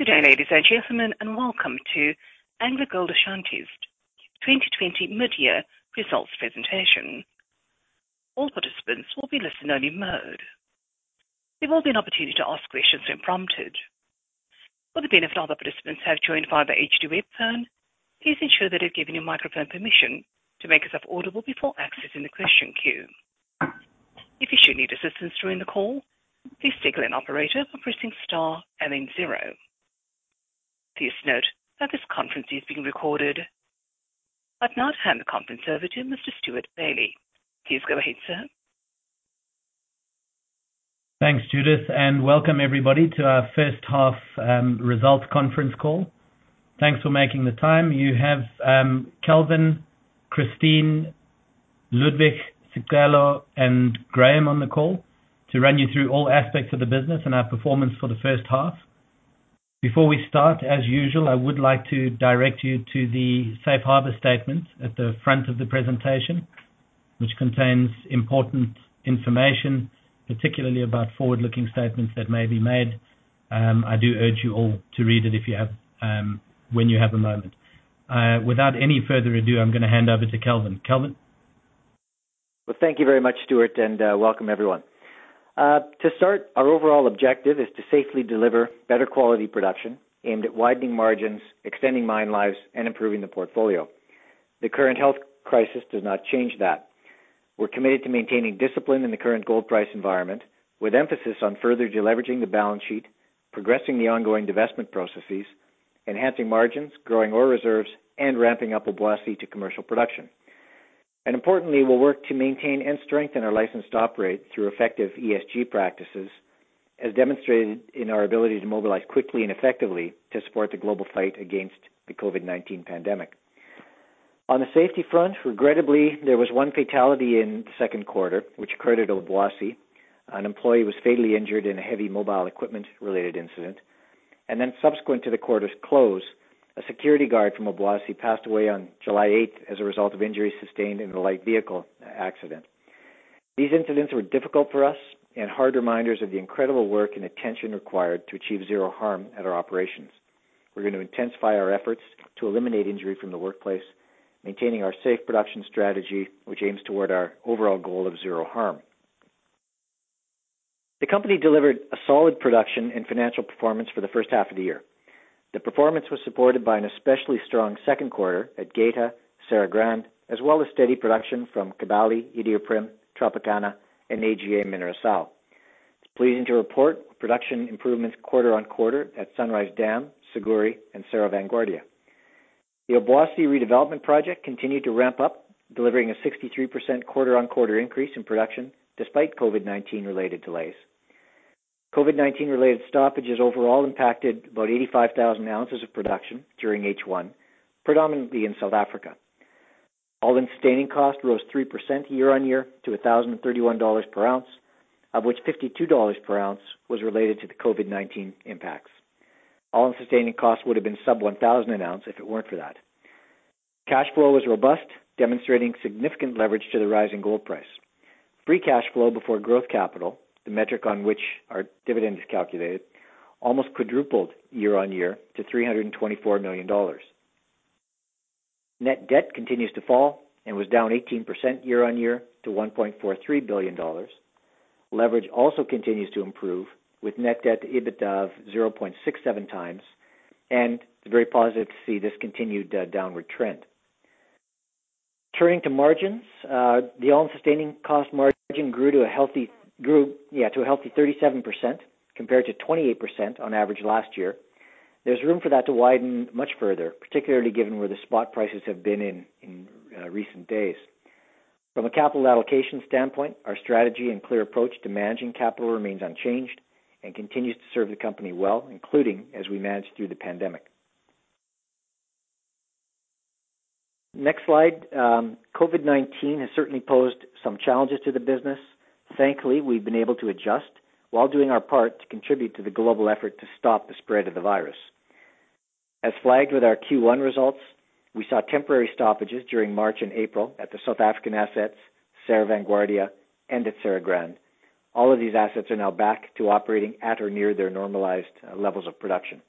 Good day, ladies and gentlemen, and welcome to AngloGold Ashanti's 2020 mid-year results presentation. All participants will be listen-only mode. There will be an opportunity to ask questions when prompted. For the benefit of other participants who have joined via the HD web phone, please ensure that you've given your microphone permission to make yourself audible before accessing the question queue. If you should need assistance during the call, please signal an operator by pressing star and then zero. Please note that this conference is being recorded. I'd now hand the conference over to Mr. Stewart Bailey. Please go ahead, sir. Thanks, Judith, and welcome everybody to our first half results conference call. Thanks for making the time. You have Kelvin, Christine, Ludwig, Sicelo, and Graham on the call to run you through all aspects of the business and our performance for the first half. Before we start, as usual, I would like to direct you to the safe harbor statement at the front of the presentation, which contains important information, particularly about forward-looking statements that may be made. I do urge you all to read it when you have a moment. Without any further ado, I am going to hand over to Kelvin. Kelvin? Well, thank you very much, Stewart, welcome everyone. To start, our overall objective is to safely deliver better quality production aimed at widening margins, extending mine lives, and improving the portfolio. The current health crisis does not change that. We're committed to maintaining discipline in the current gold price environment, with emphasis on further deleveraging the balance sheet, progressing the ongoing divestment processes, enhancing margins, growing ore reserves, and ramping up Obuasi to commercial production. Importantly, we'll work to maintain and strengthen our license to operate through effective ESG practices, as demonstrated in our ability to mobilize quickly and effectively to support the global fight against the COVID-19 pandemic. On the safety front, regrettably, there was one fatality in the second quarter, which occurred at Obuasi. An employee was fatally injured in a heavy mobile equipment-related incident. Subsequent to the quarter's close, a security guard from Obuasi passed away on July 8th as a result of injuries sustained in a light vehicle accident. These incidents were difficult for us and hard reminders of the incredible work and attention required to achieve zero harm at our operations. We're going to intensify our efforts to eliminate injury from the workplace, maintaining our safe production strategy, which aims toward our overall goal of zero harm. The company delivered a solid production and financial performance for the first half of the year. The performance was supported by an especially strong second quarter at Geita, Serra Grande, as well as steady production from Kibali, Iduapriem, Tropicana, and AGA Mineração. It's pleasing to report production improvements quarter on quarter at Sunrise Dam, Siguiri, and Cerro Vanguardia. The Obuasi redevelopment project continued to ramp up, delivering a 63% quarter-on-quarter increase in production despite COVID-19-related delays. COVID-19-related stoppages overall impacted about 85,000 oz of production during H1, predominantly in South Africa. All-in sustaining cost rose 3% year-on-year to $1,031 per ounce, of which $52 per ounce was related to the COVID-19 impacts. All-in sustaining costs would have been sub $1,000 an ounce if it weren't for that. Cash flow was robust, demonstrating significant leverage to the rise in gold price. Free cash flow before growth capital, the metric on which our dividend is calculated, almost quadrupled year-on-year to $324 million. Net debt continues to fall and was down 18% year-on-year to $1.43 billion. Leverage also continues to improve with net debt to EBITDA of 0.67 times, and it's very positive to see this continued downward trend. Turning to margins, the all-in sustaining cost margin grew to a healthy 37%, compared to 28% on average last year. There's room for that to widen much further, particularly given where the spot prices have been in recent days. From a capital allocation standpoint, our strategy and clear approach to managing capital remains unchanged and continues to serve the company well, including as we manage through the pandemic. Next slide. COVID-19 has certainly posed some challenges to the business. Thankfully, we've been able to adjust while doing our part to contribute to the global effort to stop the spread of the virus. As flagged with our Q1 results, we saw temporary stoppages during March and April at the South African assets, Cerro Vanguardia, and at Serra Grande. All of these assets are now back to operating at or near their normalized levels of production.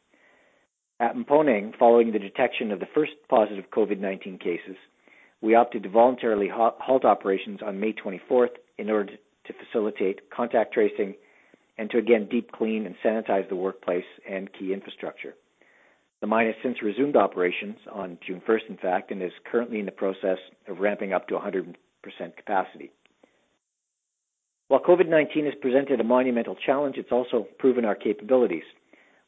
At Mponeng, following the detection of the first positive COVID-19 cases, we opted to voluntarily halt operations on May 24th in order to facilitate contact tracing and to again deep clean and sanitize the workplace and key infrastructure. The mine has since resumed operations on June 1st, in fact, and is currently in the process of ramping up to 100% capacity. While COVID-19 has presented a monumental challenge, it's also proven our capabilities.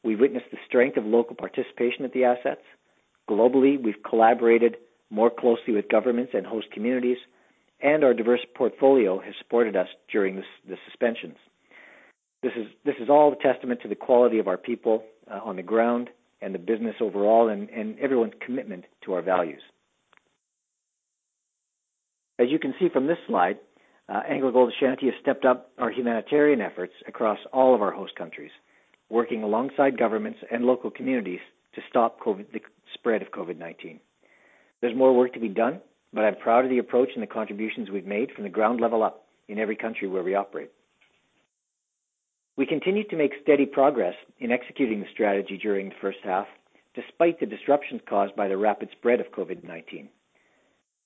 We've witnessed the strength of local participation at the assets. Globally, we've collaborated more closely with governments and host communities, and our diverse portfolio has supported us during the suspensions. This is all a testament to the quality of our people on the ground and the business overall and everyone's commitment to our values. As you can see from this slide, AngloGold Ashanti has stepped up our humanitarian efforts across all of our host countries, working alongside governments and local communities to stop the spread of COVID-19. There's more work to be done, but I'm proud of the approach and the contributions we've made from the ground level up in every country where we operate. We continue to make steady progress in executing the strategy during the first half, despite the disruptions caused by the rapid spread of COVID-19.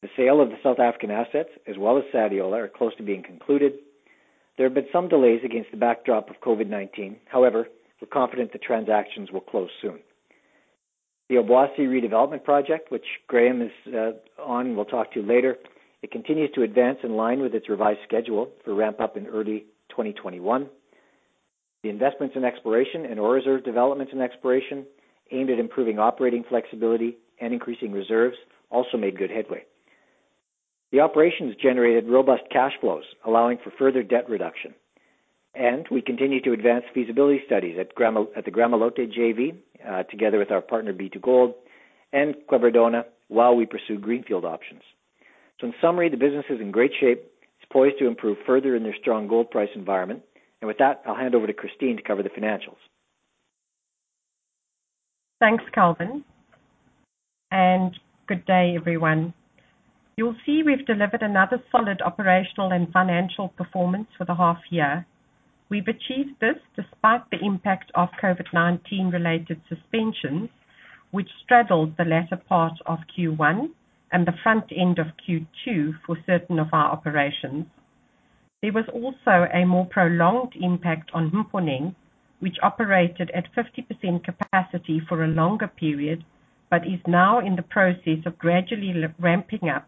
The sale of the South African assets, as well as Sadiola, are close to being concluded. There have been some delays against the backdrop of COVID-19, however, we're confident the transactions will close soon. The Obuasi redevelopment project, which Graham is on, will talk to you later. It continues to advance in line with its revised schedule for ramp up in early 2021. The investments in exploration and ore reserve development and exploration aimed at improving operating flexibility and increasing reserves also made good headway. The operations generated robust cash flows, allowing for further debt reduction. We continue to advance feasibility studies at the Gramalote JV, together with our partner B2Gold and Quebradona, while we pursue greenfield options. In summary, the business is in great shape. It's poised to improve further in this strong gold price environment. With that, I'll hand over to Christine to cover the financials. Thanks, Kelvin. Good day, everyone. You'll see we've delivered another solid operational and financial performance for the half year. We've achieved this despite the impact of COVID-19 related suspensions, which straddled the latter part of Q1 and the front end of Q2 for certain of our operations. There was also a more prolonged impact on Mponeng, which operated at 50% capacity for a longer period, but is now in the process of gradually ramping up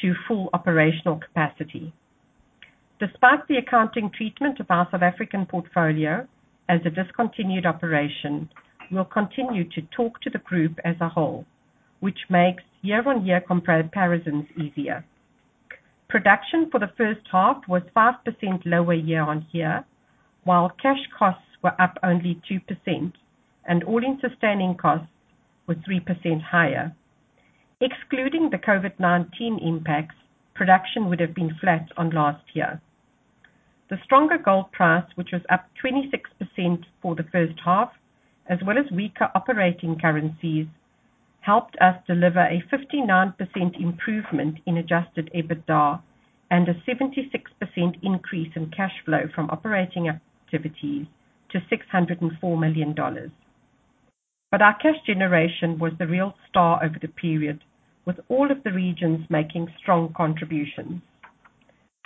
to full operational capacity. Despite the accounting treatment of our South African portfolio as a discontinued operation, we'll continue to talk to the group as a whole, which makes year-on-year comparisons easier. Production for the first half was 5% lower year-on-year, while cash costs were up only 2% and all-in sustaining costs were 3% higher. Excluding the COVID-19 impacts, production would have been flat on last year. The stronger gold price, which was up 26% for the first half, as well as weaker operating currencies, helped us deliver a 59% improvement in adjusted EBITDA and a 76% increase in cash flow from operating activities to $604 million. Our cash generation was the real star over the period, with all of the regions making strong contributions.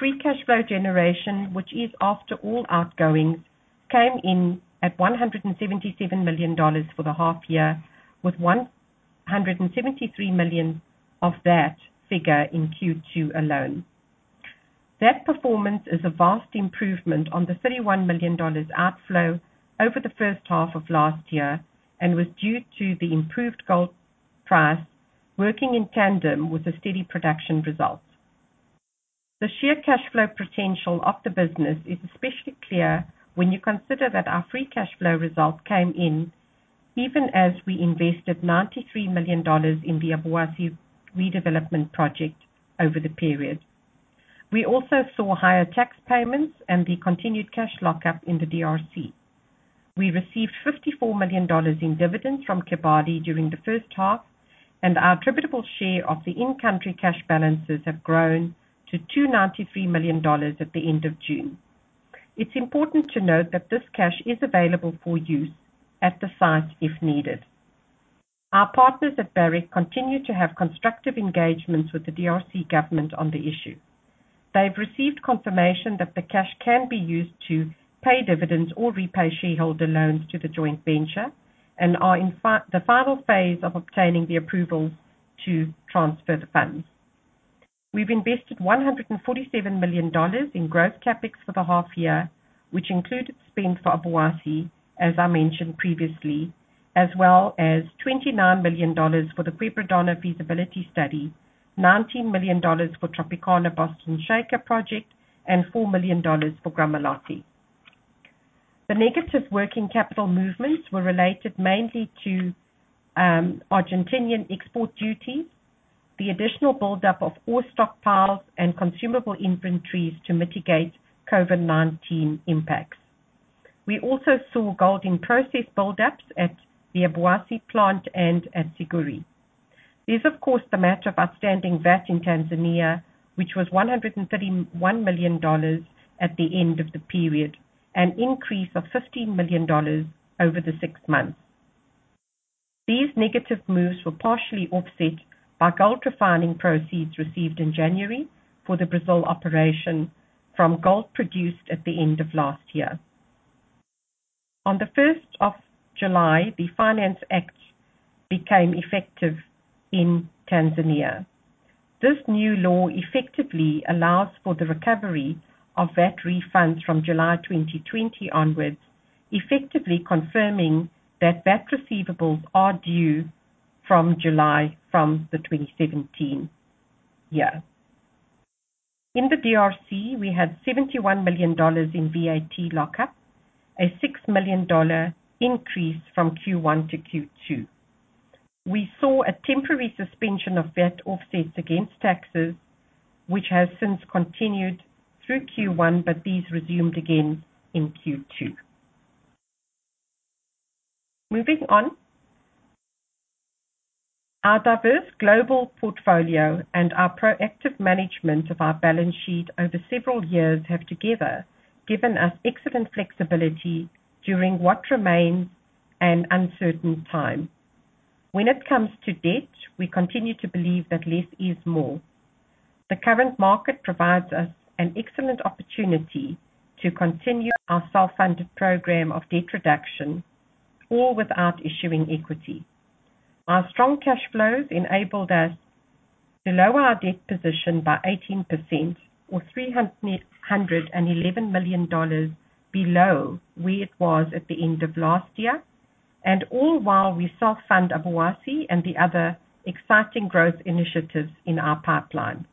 Free cash flow generation, which is after all outgoings, came in at $177 million for the half year, with $173 million of that figure in Q2 alone. That performance is a vast improvement on the $31 million outflow over the first half of last year and was due to the improved gold price working in tandem with the steady production results. The sheer cash flow potential of the business is especially clear when you consider that our free cash flow results came in even as we invested $93 million in the Obuasi redevelopment project over the period. We also saw higher tax payments and the continued cash lockup in the DRC. We received $54 million in dividends from Kibali during the first half, and our attributable share of the in-country cash balances have grown to $293 million at the end of June. It's important to note that this cash is available for use at the site if needed. Our partners at Barrick continue to have constructive engagements with the DRC government on the issue. They've received confirmation that the cash can be used to pay dividends or repay shareholder loans to the joint venture and are in the final phase of obtaining the approvals to transfer the funds. We've invested $147 million in gross CapEx for the half year, which included spend for Obuasi, as I mentioned previously, as well as $29 million for the Quebradona feasibility study, $19 million for Tropicana Boston Shaker project, and $4 million for Gramalote. The negative working capital movements were related mainly to Argentinian export duties, the additional buildup of ore stockpiles and consumable inventories to mitigate COVID-19 impacts. We also saw gold in process buildups at the Obuasi plant and at Siguiri. There's, of course, the matter of outstanding VAT in Tanzania, which was $131 million at the end of the period, an increase of $15 million over the six months. These negative moves were partially offset by gold refining proceeds received in January for the Brazil operation from gold produced at the end of last year. On the 1st of July, the Finance Act became effective in Tanzania. This new law effectively allows for the recovery of VAT refunds from July 2020 onwards, effectively confirming that VAT receivables are due from July from the 2017 year. In the DRC, we had $71 million in VAT lockup, a $6 million increase from Q1-Q2. We saw a temporary suspension of VAT offsets against taxes, which has since continued through Q1, but these resumed again in Q2. Moving on. Our diverse global portfolio and our proactive management of our balance sheet over several years have together given us excellent flexibility during what remains an uncertain time. When it comes to debt, we continue to believe that less is more. The current market provides us an excellent opportunity to continue our self-funded program of debt reduction, all without issuing equity. Our strong cash flows enabled us to lower our debt position by 18% or $311 million below where it was at the end of last year, and all while we self-fund Obuasi and the other exciting growth initiatives in our pipeline.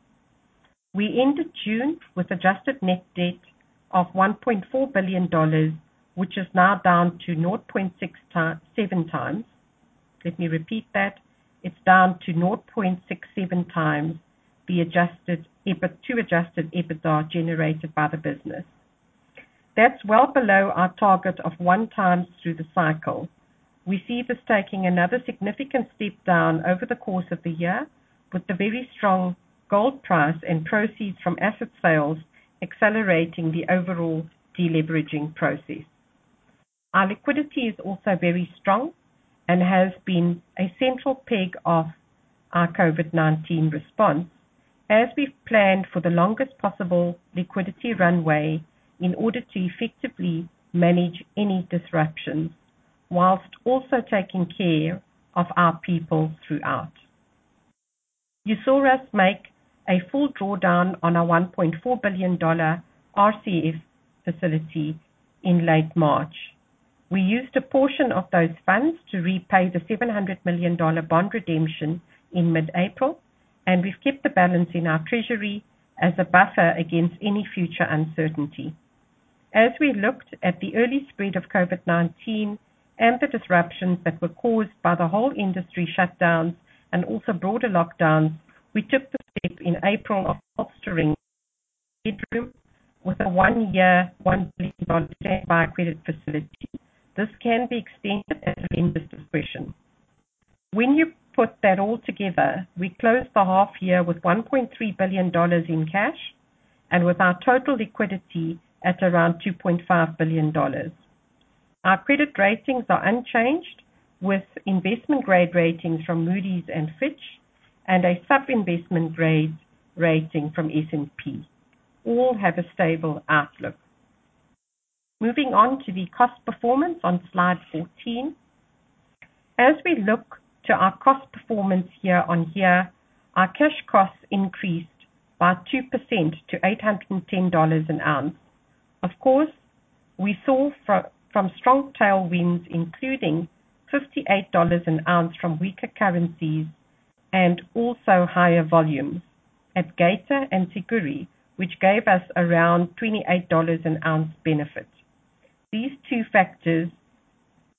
We ended June with adjusted net debt of $1.4 billion, which is now down to 0.67 times. Let me repeat that. It's down to 0.67x the adjusted EBITDA generated by the business. That's well below our target of 1x through the cycle. We see this taking another significant step down over the course of the year with the very strong gold price and proceeds from asset sales accelerating the overall de-leveraging process. Our liquidity is also very strong and has been a central peg of our COVID-19 response as we've planned for the longest possible liquidity runway in order to effectively manage any disruption while also taking care of our people throughout. You saw us make a full drawdown on our $1.4 billion RCF facility in late March. We used a portion of those funds to repay the $700 million bond redemption in mid-April, and we've kept the balance in our treasury as a buffer against any future uncertainty. As we looked at the early spread of COVID-19 and the disruptions that were caused by the whole industry shutdowns and also broader lockdowns, we took the step in April of bolstering headroom with a one-year, $1 billion standby credit facility. This can be extended at the lender's discretion. When you put that all together, we closed the half year with $1.3 billion in cash and with our total liquidity at around $2.5 billion. Our credit ratings are unchanged, with investment-grade ratings from Moody's and Fitch and a sub-investment grade rating from S&P. All have a stable outlook. Moving on to the cost performance on slide 14. As we look to our cost performance year-over-year, our cash costs increased by 2% to $810 an ounce. Of course, we saw from strong tailwinds, including $58 an ounce from weaker currencies and also higher volumes at Geita and Siguiri, which gave us around $28 an ounce benefit. These two factors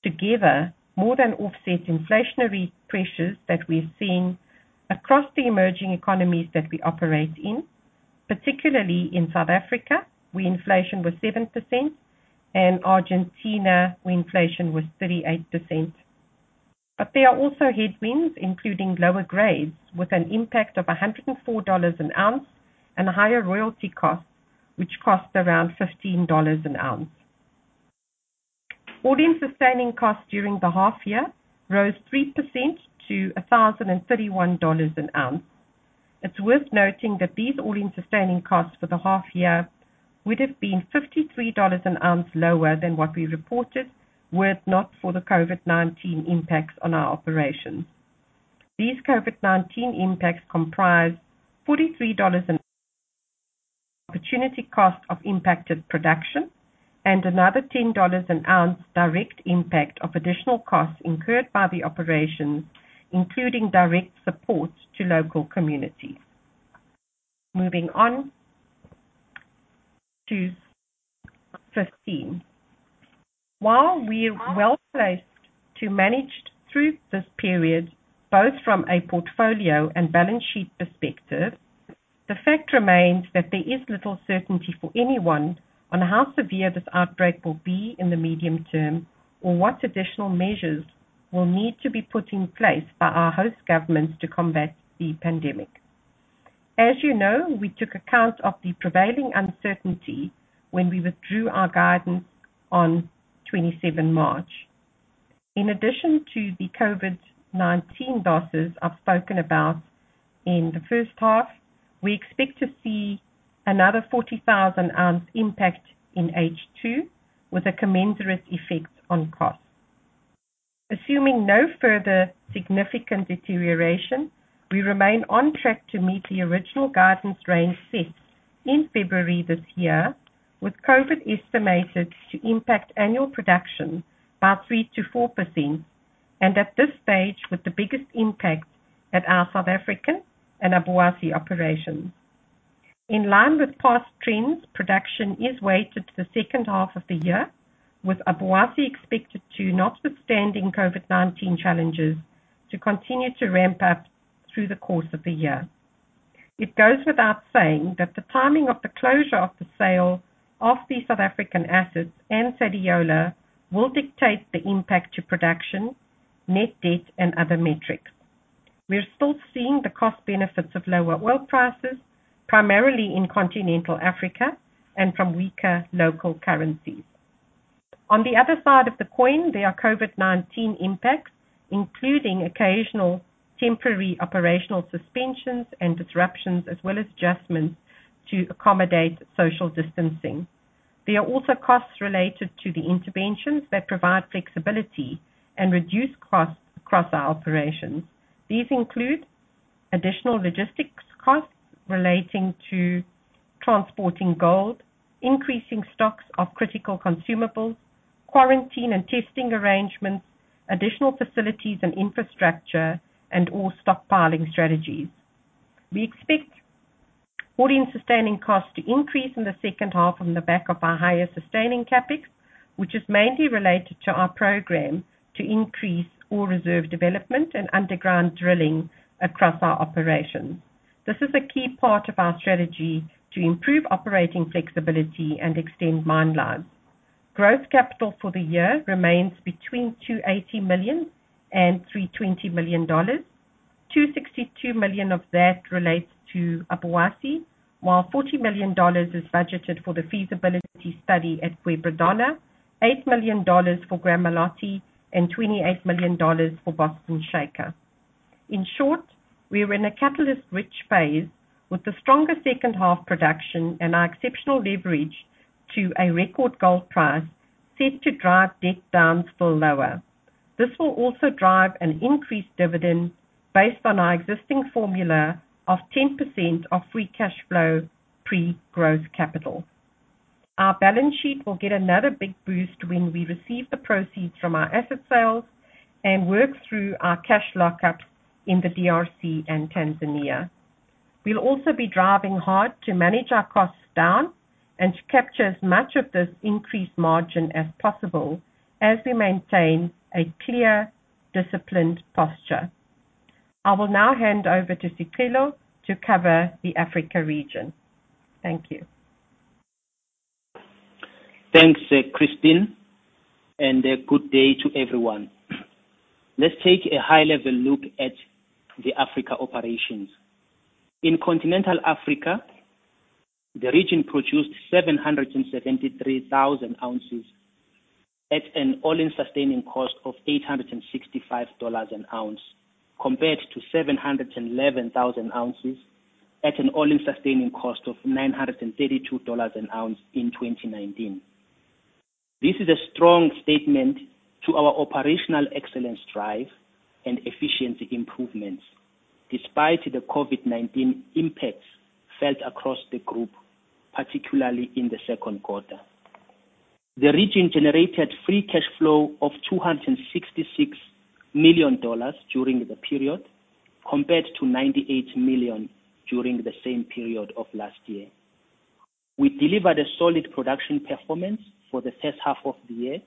together more than offset inflationary pressures that we're seeing across the emerging economies that we operate in, particularly in South Africa, where inflation was 7%, and Argentina, where inflation was 38%. There are also headwinds, including lower grades with an impact of $104 an ounce and higher royalty costs, which cost around $15 an ounce. All-in sustaining costs during the half year rose 3% to $1,031 an ounce. It's worth noting that these all-in sustaining costs for the half year would have been $53 an ounce lower than what we reported, were it not for the COVID-19 impacts on our operations. These COVID-19 impacts comprise $43 an opportunity cost of impacted production and another $10 an ounce direct impact of additional costs incurred by the operations, including direct support to local communities. Moving on to 15. While we are well-placed to manage through this period, both from a portfolio and balance sheet perspective, the fact remains that there is little certainty for anyone on how severe this outbreak will be in the medium term or what additional measures will need to be put in place by our host governments to combat the pandemic. As you know, we took account of the prevailing uncertainty when we withdrew our guidance on 27 March. In addition to the COVID-19 losses I've spoken about in the first half, we expect to see another 40,000 oz impact in H2 with a commensurate effect on costs. Assuming no further significant deterioration, we remain on track to meet the original guidance range set in February this year, with COVID estimated to impact annual production by 3%-4% and at this stage with the biggest impact at our South African and Obuasi operations. In line with past trends, production is weighted to the second half of the year, with Obuasi expected to, notwithstanding COVID-19 challenges, to continue to ramp up through the course of the year. It goes without saying that the timing of the closure of the sale of the South African assets and Sadiola will dictate the impact to production, net debt and other metrics. We are still seeing the cost benefits of lower oil prices, primarily in continental Africa and from weaker local currencies. On the other side of the coin, there are COVID-19 impacts, including occasional temporary operational suspensions and disruptions, as well as adjustments to accommodate social distancing. There are also costs related to the interventions that provide flexibility and reduce costs across our operations. These include additional logistics costs relating to transporting gold, increasing stocks of critical consumables, quarantine and testing arrangements, additional facilities and infrastructure, and ore stockpiling strategies. We expect all-in sustaining costs to increase in the second half on the back of our higher sustaining CapEx, which is mainly related to our program to increase ore reserve development and underground drilling across our operations. This is a key part of our strategy to improve operating flexibility and extend mine lives. Growth capital for the year remains between $280 million and $320 million. $262 million of that relates to Obuasi, while $40 million is budgeted for the feasibility study at Quebradona, $8 million for Gramalote, and $28 million for Boston Shaker. In short, we are in a catalyst-rich phase with a stronger second half production and our exceptional leverage to a record gold price set to drive debt down still lower. This will also drive an increased dividend based on our existing formula of 10% of free cash flow pre-growth capital. Our balance sheet will get another big boost when we receive the proceeds from our asset sales and work through our cash lock-up in the DRC and Tanzania. We'll also be driving hard to manage our costs down and to capture as much of this increased margin as possible as we maintain a clear, disciplined posture. I will now hand over to Sicelo to cover the Africa region. Thank you. Thanks, Christine. A good day to everyone. Let's take a high-level look at the Africa operations. In continental Africa, the region produced 773,000 oz at an all-in sustaining cost of $865 an ounce, compared to 711,000 oz at an all-in sustaining cost of $932 an ounce in 2019. This is a strong statement to our operational excellence drive and efficiency improvements despite the COVID-19 impacts felt across the group, particularly in the second quarter. The region generated free cash flow of $266 million during the period, compared to $98 million during the same period of last year. We delivered a solid production performance for the first half of the year,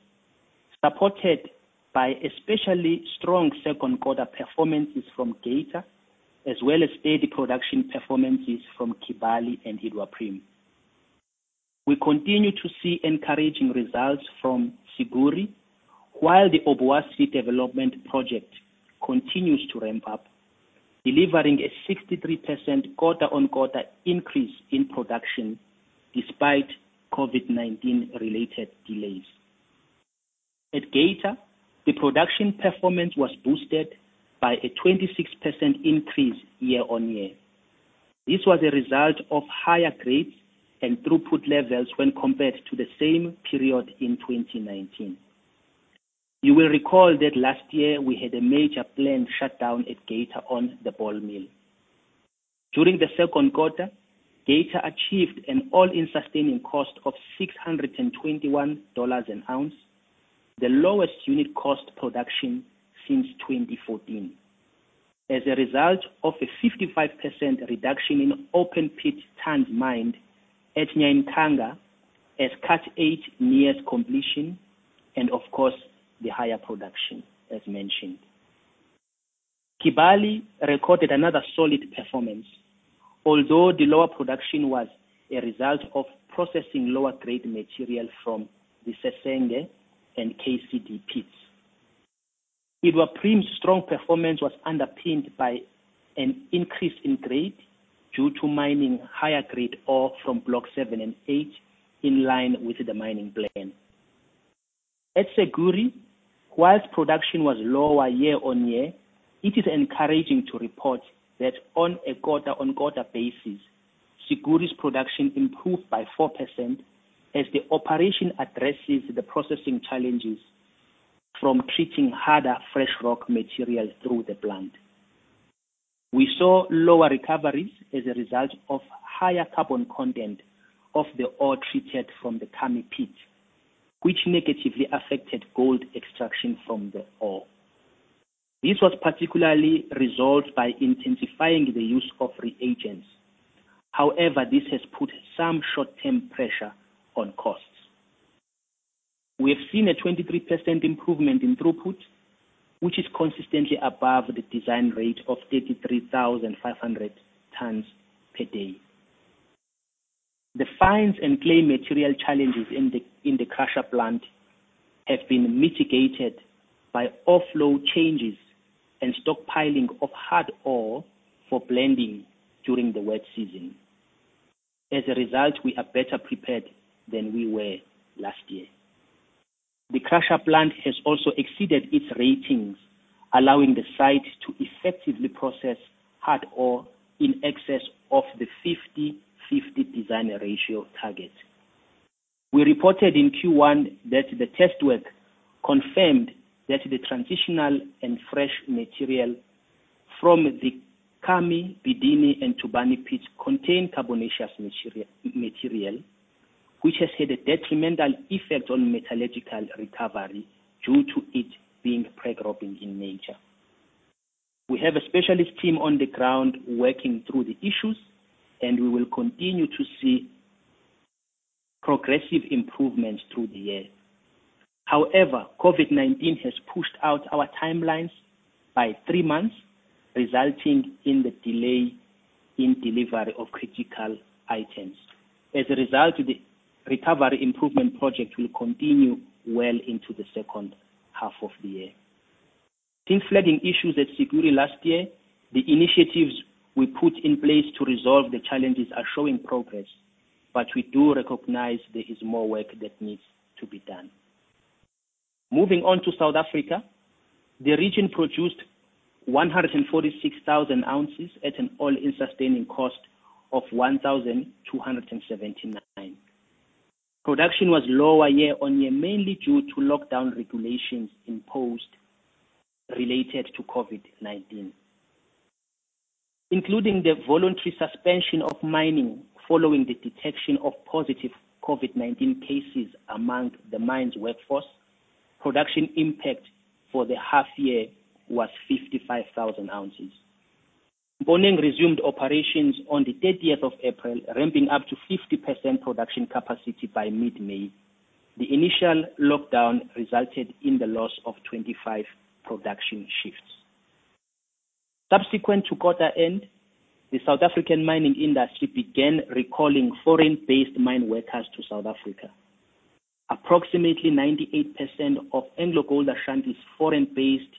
supported by especially strong second quarter performances from Geita, as well as steady production performances from Kibali and Iduapriem. We continue to see encouraging results from Siguiri, while the Obuasi development project continues to ramp up, delivering a 63% quarter-on-quarter increase in production despite COVID-19 related delays. At Geita, the production performance was boosted by a 26% increase year-on-year. This was a result of higher grades and throughput levels when compared to the same period in 2019. You will recall that last year we had a major planned shutdown at Geita on the ball mill. During the second quarter, Geita achieved an all-in sustaining cost of $621 an ounce, the lowest unit cost production since 2014. As a result of a 55% reduction in open pit tonnes mined at Nyankanga as Cut 8 nears completion and of course, the higher production as mentioned. Kibali recorded another solid performance, although the lower production was a result of processing lower-grade material from the Sesenge and KCD pits. Iduapriem's strong performance was underpinned by an increase in grade due to mining higher-grade ore from Block 7 and 8, in line with the mining plan. At Siguiri, whilst production was lower year-on-year, it is encouraging to report that on a quarter-on-quarter basis, Siguiri's production improved by 4% as the operation addresses the processing challenges from treating harder fresh rock materials through the plant. We saw lower recoveries as a result of higher carbon content of the ore treated from the Kami pit, which negatively affected gold extraction from the ore. This was particularly resolved by intensifying the use of reagents. However, this has put some short-term pressure on costs. We have seen a 23% improvement in throughput, which is consistently above the design rate of 33,500 tonnes per day. The fines and clay material challenges in the crusher plant have been mitigated by offload changes and stockpiling of hard ore for blending during the wet season. We are better prepared than we were last year. The crusher plant has also exceeded its ratings, allowing the site to effectively process hard ore in excess of the 50/50 design ratio target. We reported in Q1 that the test work confirmed that the transitional and fresh material from the Kami, Bidini, and Tubani pits contain carbonaceous material, which has had a detrimental effect on metallurgical recovery due to it being preg-robbing in nature. We have a specialist team on the ground working through the issues, and we will continue to see progressive improvements through the year. COVID-19 has pushed out our timelines by three months, resulting in the delay in delivery of critical items. As a result, the recovery improvement project will continue well into the second half of the year. Since flooding issues at Siguiri last year, the initiatives we put in place to resolve the challenges are showing progress, but we do recognize there is more work that needs to be done. Moving on to South Africa, the region produced 146,000 oz at an all-in sustaining cost of $1,279. Production was lower year-on-year, mainly due to lockdown regulations imposed related to COVID-19. Including the voluntary suspension of mining following the detection of positive COVID-19 cases among the mine's workforce, production impact for the half year was 55,000 oz. Mponeng resumed operations on the 30th of April, ramping up to 50% production capacity by mid-May. The initial lockdown resulted in the loss of 25 production shifts. Subsequent to quarter end, the South African mining industry began recalling foreign-based mine workers to South Africa. Approximately 98% of AngloGold Ashanti's foreign-based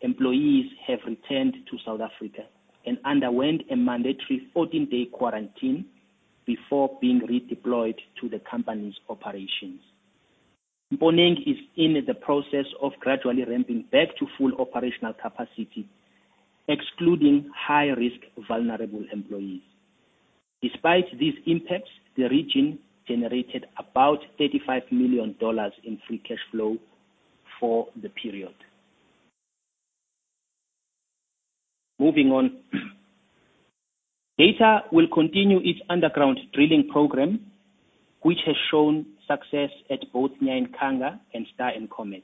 employees have returned to South Africa and underwent a mandatory 14-day quarantine before being redeployed to the company's operations. Mponeng is in the process of gradually ramping back to full operational capacity, excluding high-risk vulnerable employees. Despite these impacts, the region generated about $35 million in free cash flow for the period. Moving on. Geita will continue its underground drilling program, which has shown success at both Nyankanga and Star and Comet.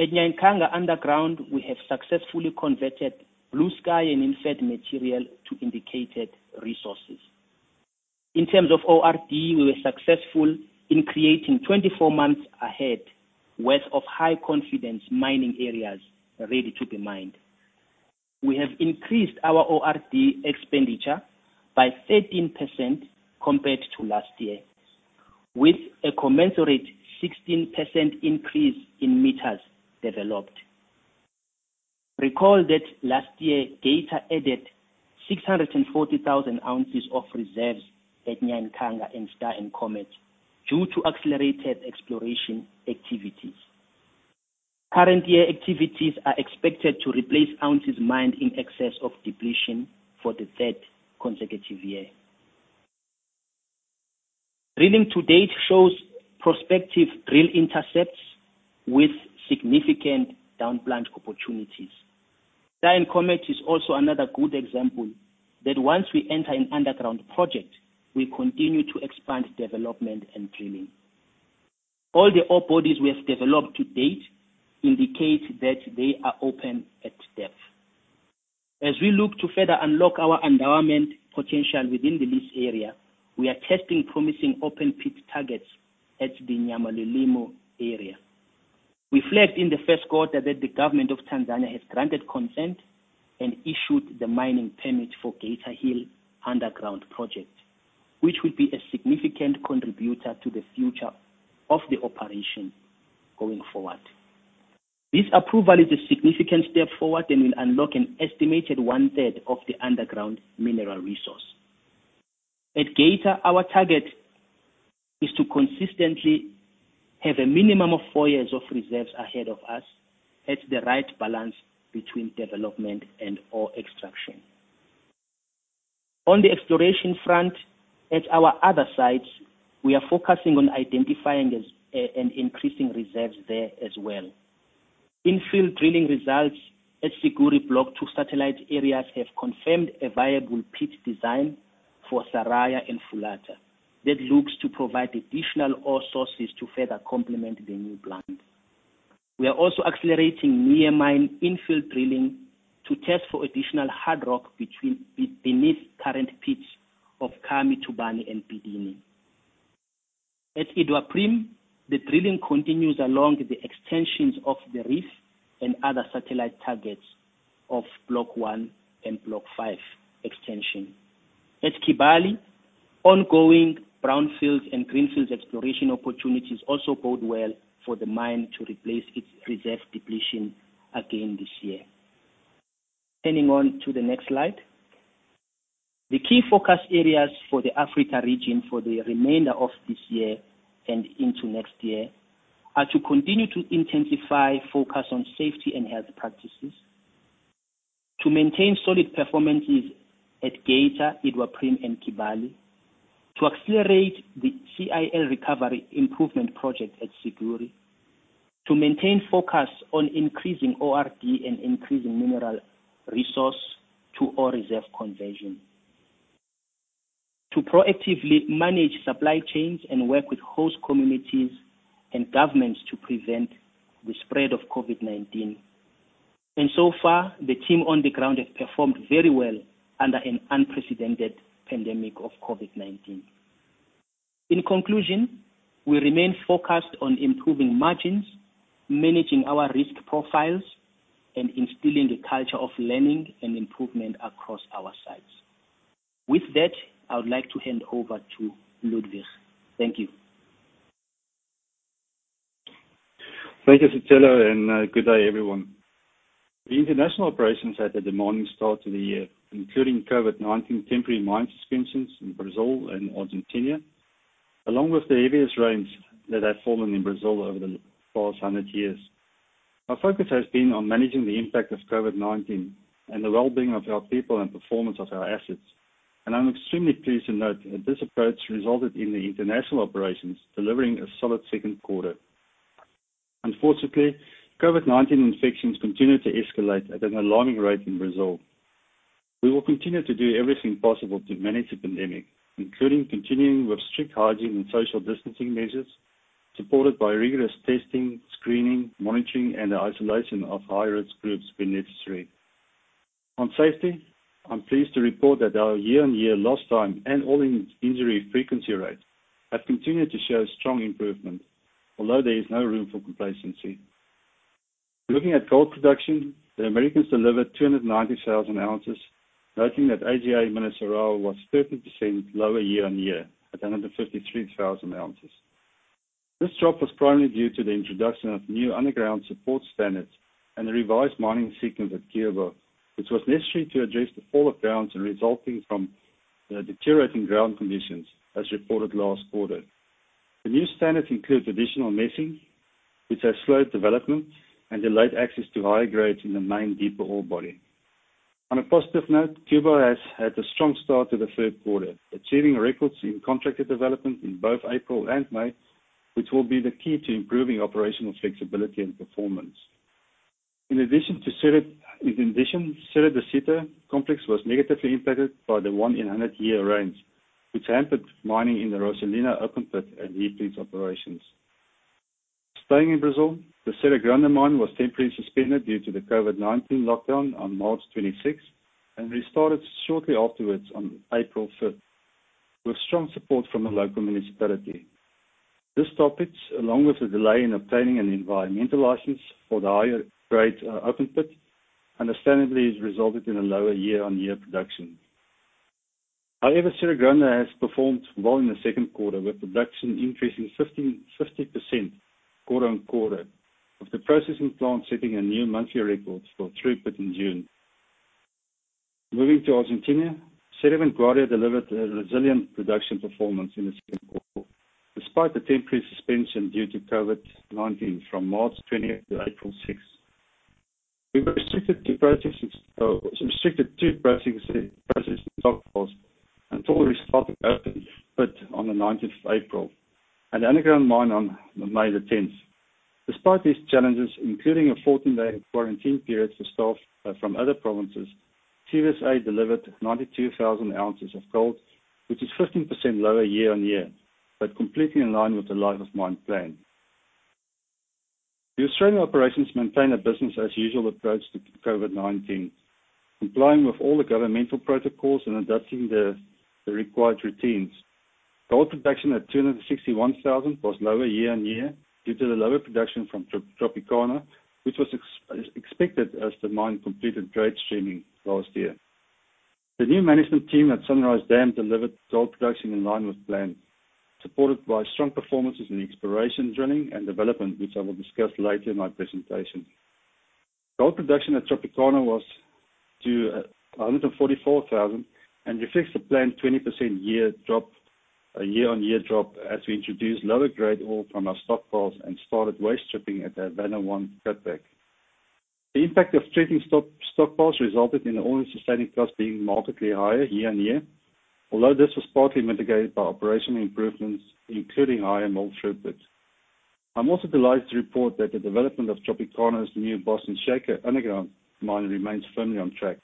At Nyankanga Underground, we have successfully converted blue sky and inferred material to indicated resources. In terms of ORD, we were successful in creating 24 months ahead worth of high-confidence mining areas ready to be mined. We have increased our ORD expenditure by 13% compared to last year, with a commensurate 16% increase in meters developed. Recall that last year, Geita added 640,000 oz of reserves at Nyankanga and Star and Comet due to accelerated exploration activities. Current year activities are expected to replace ounces mined in excess of depletion for the third consecutive year. Drilling to date shows prospective drill intercepts with significant down-plunge opportunities. Star and Comet is also another good example that once we enter an underground project, we continue to expand development and drilling. All the ore bodies we have developed to date indicate that they are open at depth. As we look to further unlock our endowment potential within the lease area, we are testing promising open pit targets at the Nyamulilima area. We flagged in the first quarter that the government of Tanzania has granted consent and issued the mining permit for Geita Hill Underground Project, which will be a significant contributor to the future of the operation going forward. This approval is a significant step forward and will unlock an estimated one-third of the underground mineral resource. At Geita, our target is to consistently have a minimum of four years of reserves ahead of us at the right balance between development and ore extraction. On the exploration front, at our other sites, we are focusing on identifying and increasing reserves there as well. Infield drilling results at Siguiri Block 2 satellite areas have confirmed a viable pit design for Saraya and Fulata that looks to provide additional ore sources to further complement the new plant. We are also accelerating near mine infill drilling to test for additional hard rock beneath current pits of Karamo, Tubani, and Bidini. At Iduapriem, the drilling continues along the extensions of the reef and other satellite targets of Block 1 and Block 5 extension. At Kibali, ongoing brownfields and greenfields exploration opportunities also bode well for the mine to replace its reserve depletion again this year. Turning on to the next slide. The key focus areas for the Africa region for the remainder of this year and into next year are to continue to intensify focus on safety and health practices, to maintain solid performances at Geita, Iduapriem, and Kibali, to accelerate the CIL recovery improvement project at Siguiri, to maintain focus on increasing ORD and increasing mineral resource to ore reserve conversion, to proactively manage supply chains and work with host communities and governments to prevent the spread of COVID-19. So far, the team on the ground has performed very well under an unprecedented pandemic of COVID-19. In conclusion, we remain focused on improving margins, managing our risk profiles, and instilling a culture of learning and improvement across our sites. With that, I would like to hand over to Ludwig. Thank you. Thank you, Sicelo, and good day, everyone. The international operations had a demanding start to the year, including COVID-19 temporary mine suspensions in Brazil and Argentina, along with the heaviest rains that have fallen in Brazil over the past 100 years. Our focus has been on managing the impact of COVID-19 and the well-being of our people and performance of our assets. I'm extremely pleased to note that this approach resulted in the international operations delivering a solid second quarter. Unfortunately, COVID-19 infections continue to escalate at an alarming rate in Brazil. We will continue to do everything possible to manage the pandemic, including continuing with strict hygiene and social distancing measures, supported by rigorous testing, screening, monitoring, and isolation of high-risk groups where necessary. On safety, I am pleased to report that our year-on-year lost time and all injury frequency rates have continued to show strong improvement, although there is no room for complacency. Looking at gold production, the Americas delivered 290,000 oz, noting that AGA Mineração was 30% lower year-on-year at 153,000 oz. This drop was primarily due to the introduction of new underground support standards and a revised mining sequence at Cuiabá, which was necessary to address the fall of grounds resulting from deteriorating ground conditions, as reported last quarter. The new standards include additional meshing, which has slowed development and delayed access to higher grades in the main deeper ore body. On a positive note, Cuiabá has had a strong start to the third quarter, achieving records in contracted development in both April and May, which will be the key to improving operational flexibility and performance. In addition, Córrego do Sítio complex was negatively impacted by the one in 100 year rains, which hampered mining in the Rosalina open pit and heap leach operations. Staying in Brazil, the Serra Grande mine was temporarily suspended due to the COVID-19 lockdown on March 26th and restarted shortly afterwards on April 5th, with strong support from the local municipality. This stoppage, along with the delay in obtaining an environmental license for the higher grade open pit, understandably has resulted in a lower year-on-year production. However, Serra Grande has performed well in the second quarter, with production increasing 50% quarter-on-quarter, with the processing plant setting a new monthly record for throughput in June. Moving to Argentina, Cerro Vanguardia delivered a resilient production performance in the second quarter, despite the temporary suspension due to COVID-19 from March 20th to April 6th. We were restricted to processing stock piles until we restarted open pit on the 19th of April, and the underground mine on May the 10th. Despite these challenges, including a 14-day quarantine period for staff from other provinces, CVSA delivered 92,000 oz of gold, which is 15% lower year-on-year, completely in line with the life of mine plan. The Australian operations maintain a business as usual approach to COVID-19, complying with all the governmental protocols and adopting the required routines. Gold production at 261,000 was lower year-on-year due to the lower production from Tropicana, which was expected as the mine completed grade streaming last year. The new management team at Sunrise Dam delivered gold production in line with plan, supported by strong performances in exploration, drilling, and development, which I will discuss later in my presentation. Gold production at Tropicana was to 144,000. We fixed the planned 20% year-on-year drop as we introduced lower grade ore from our stockpiles and started waste stripping at the Havana 1 cut back. The impact of treating stockpiles resulted in all-in sustaining costs being markedly higher year-on-year. Although this was partly mitigated by operational improvements, including higher mill throughput. I'm also delighted to report that the development of Tropicana's new Boston Shaker underground mine remains firmly on track.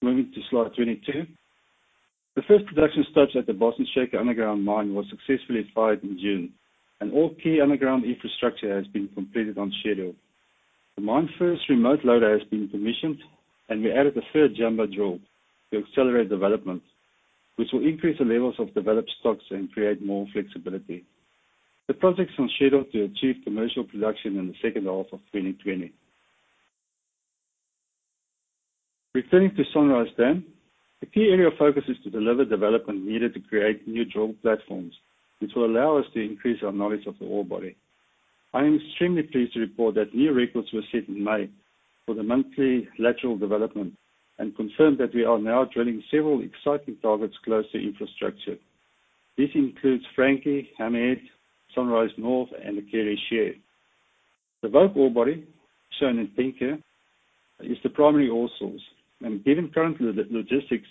Moving to slide 22. The first production stop at the Boston Shaker underground mine was successfully fired in June, and all key underground infrastructure has been completed on schedule. The mine's first remote loader has been commissioned, and we added a third jumbo drill to accelerate development, which will increase the levels of developed stocks and create more flexibility. The project's on schedule to achieve commercial production in the second half of 2020. Returning to Sunrise Dam, the key area of focus is to deliver development needed to create new drill platforms, which will allow us to increase our knowledge of the ore body. I am extremely pleased to report that new records were set in May for the monthly lateral development and confirm that we are now drilling several exciting targets close to infrastructure. This includes Frankie, Hammerhead, Sunrise North, and the Carey Shear. The Vogue ore body, shown in pink here, is the primary ore source, and given current logistics,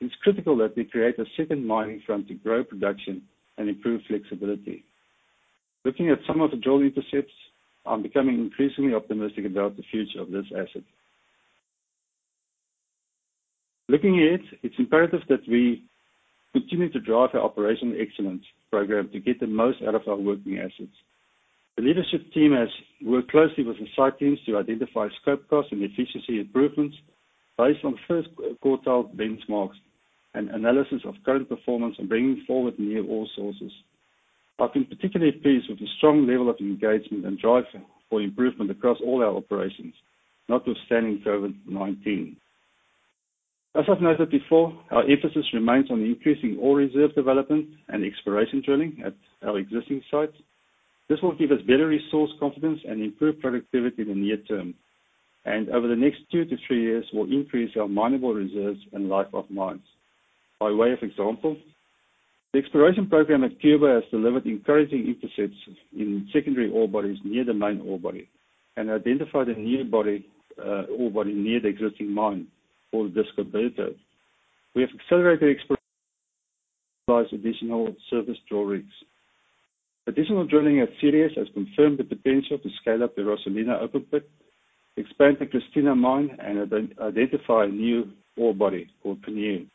it's critical that we create a second mining front to grow production and improve flexibility. Looking at some of the drill intercepts, I'm becoming increasingly optimistic about the future of this asset. Looking ahead, it's imperative that we continue to drive our operational excellence program to get the most out of our working assets. The leadership team has worked closely with the site teams to identify scope costs and efficiency improvements based on first quartile benchmarks and analysis of current performance and bringing forward new ore sources. I've been particularly pleased with the strong level of engagement and drive for improvement across all our operations, notwithstanding COVID-19. As I've noted before, our emphasis remains on increasing ore reserve development and exploration drilling at our existing sites. This will give us better resource confidence and improve productivity in the near term, and over the next two to three years, will increase our mineable reserves and life of mines. By way of example, the exploration program at Cuiabá has delivered encouraging intercepts in secondary ore bodies near the main ore body and identified a new ore body near the existing mine called Descubierto. We have accelerated exploration, plus additional service drill rigs. Additional drilling at CdS has confirmed the potential to scale up the Rosalina open pit, expand the Cristina mine, and identify a new ore body called Pinion.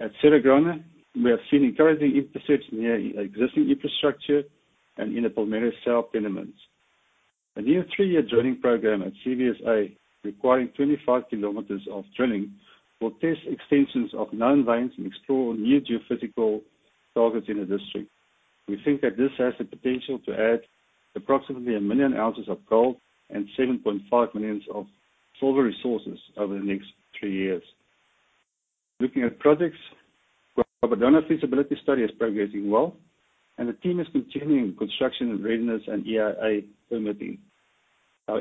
At Cerro Vanguardia, we have seen encouraging intercepts near existing infrastructure and in the Palmeiras South. A new three-year drilling program at CVSA, requiring 25 kilometers of drilling, will test extensions of known veins and explore new geophysical targets in the district. We think that this has the potential to add approximately 1 million oz of gold and 7.5 million of silver resources over the next three years. Looking at projects, the Quebradona feasibility study is progressing well, and the team is continuing construction of readiness and EIA permitting. As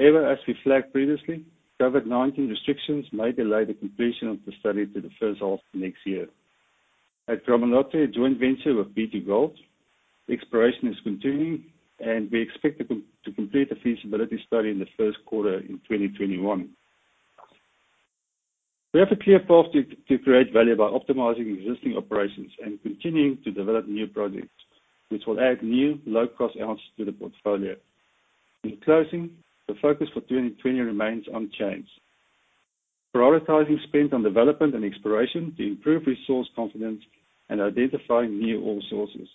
we flagged previously, COVID-19 restrictions may delay the completion of the study to the first half of next year. At Gramalote, a joint venture with B2Gold, exploration is continuing, and we expect to complete the feasibility study in the first quarter in 2021. We have a clear path to create value by optimizing existing operations and continuing to develop new projects, which will add new low-cost ounces to the portfolio. In closing, the focus for 2020 remains unchanged. Prioritizing spend on development and exploration to improve resource confidence and identifying new ore sources.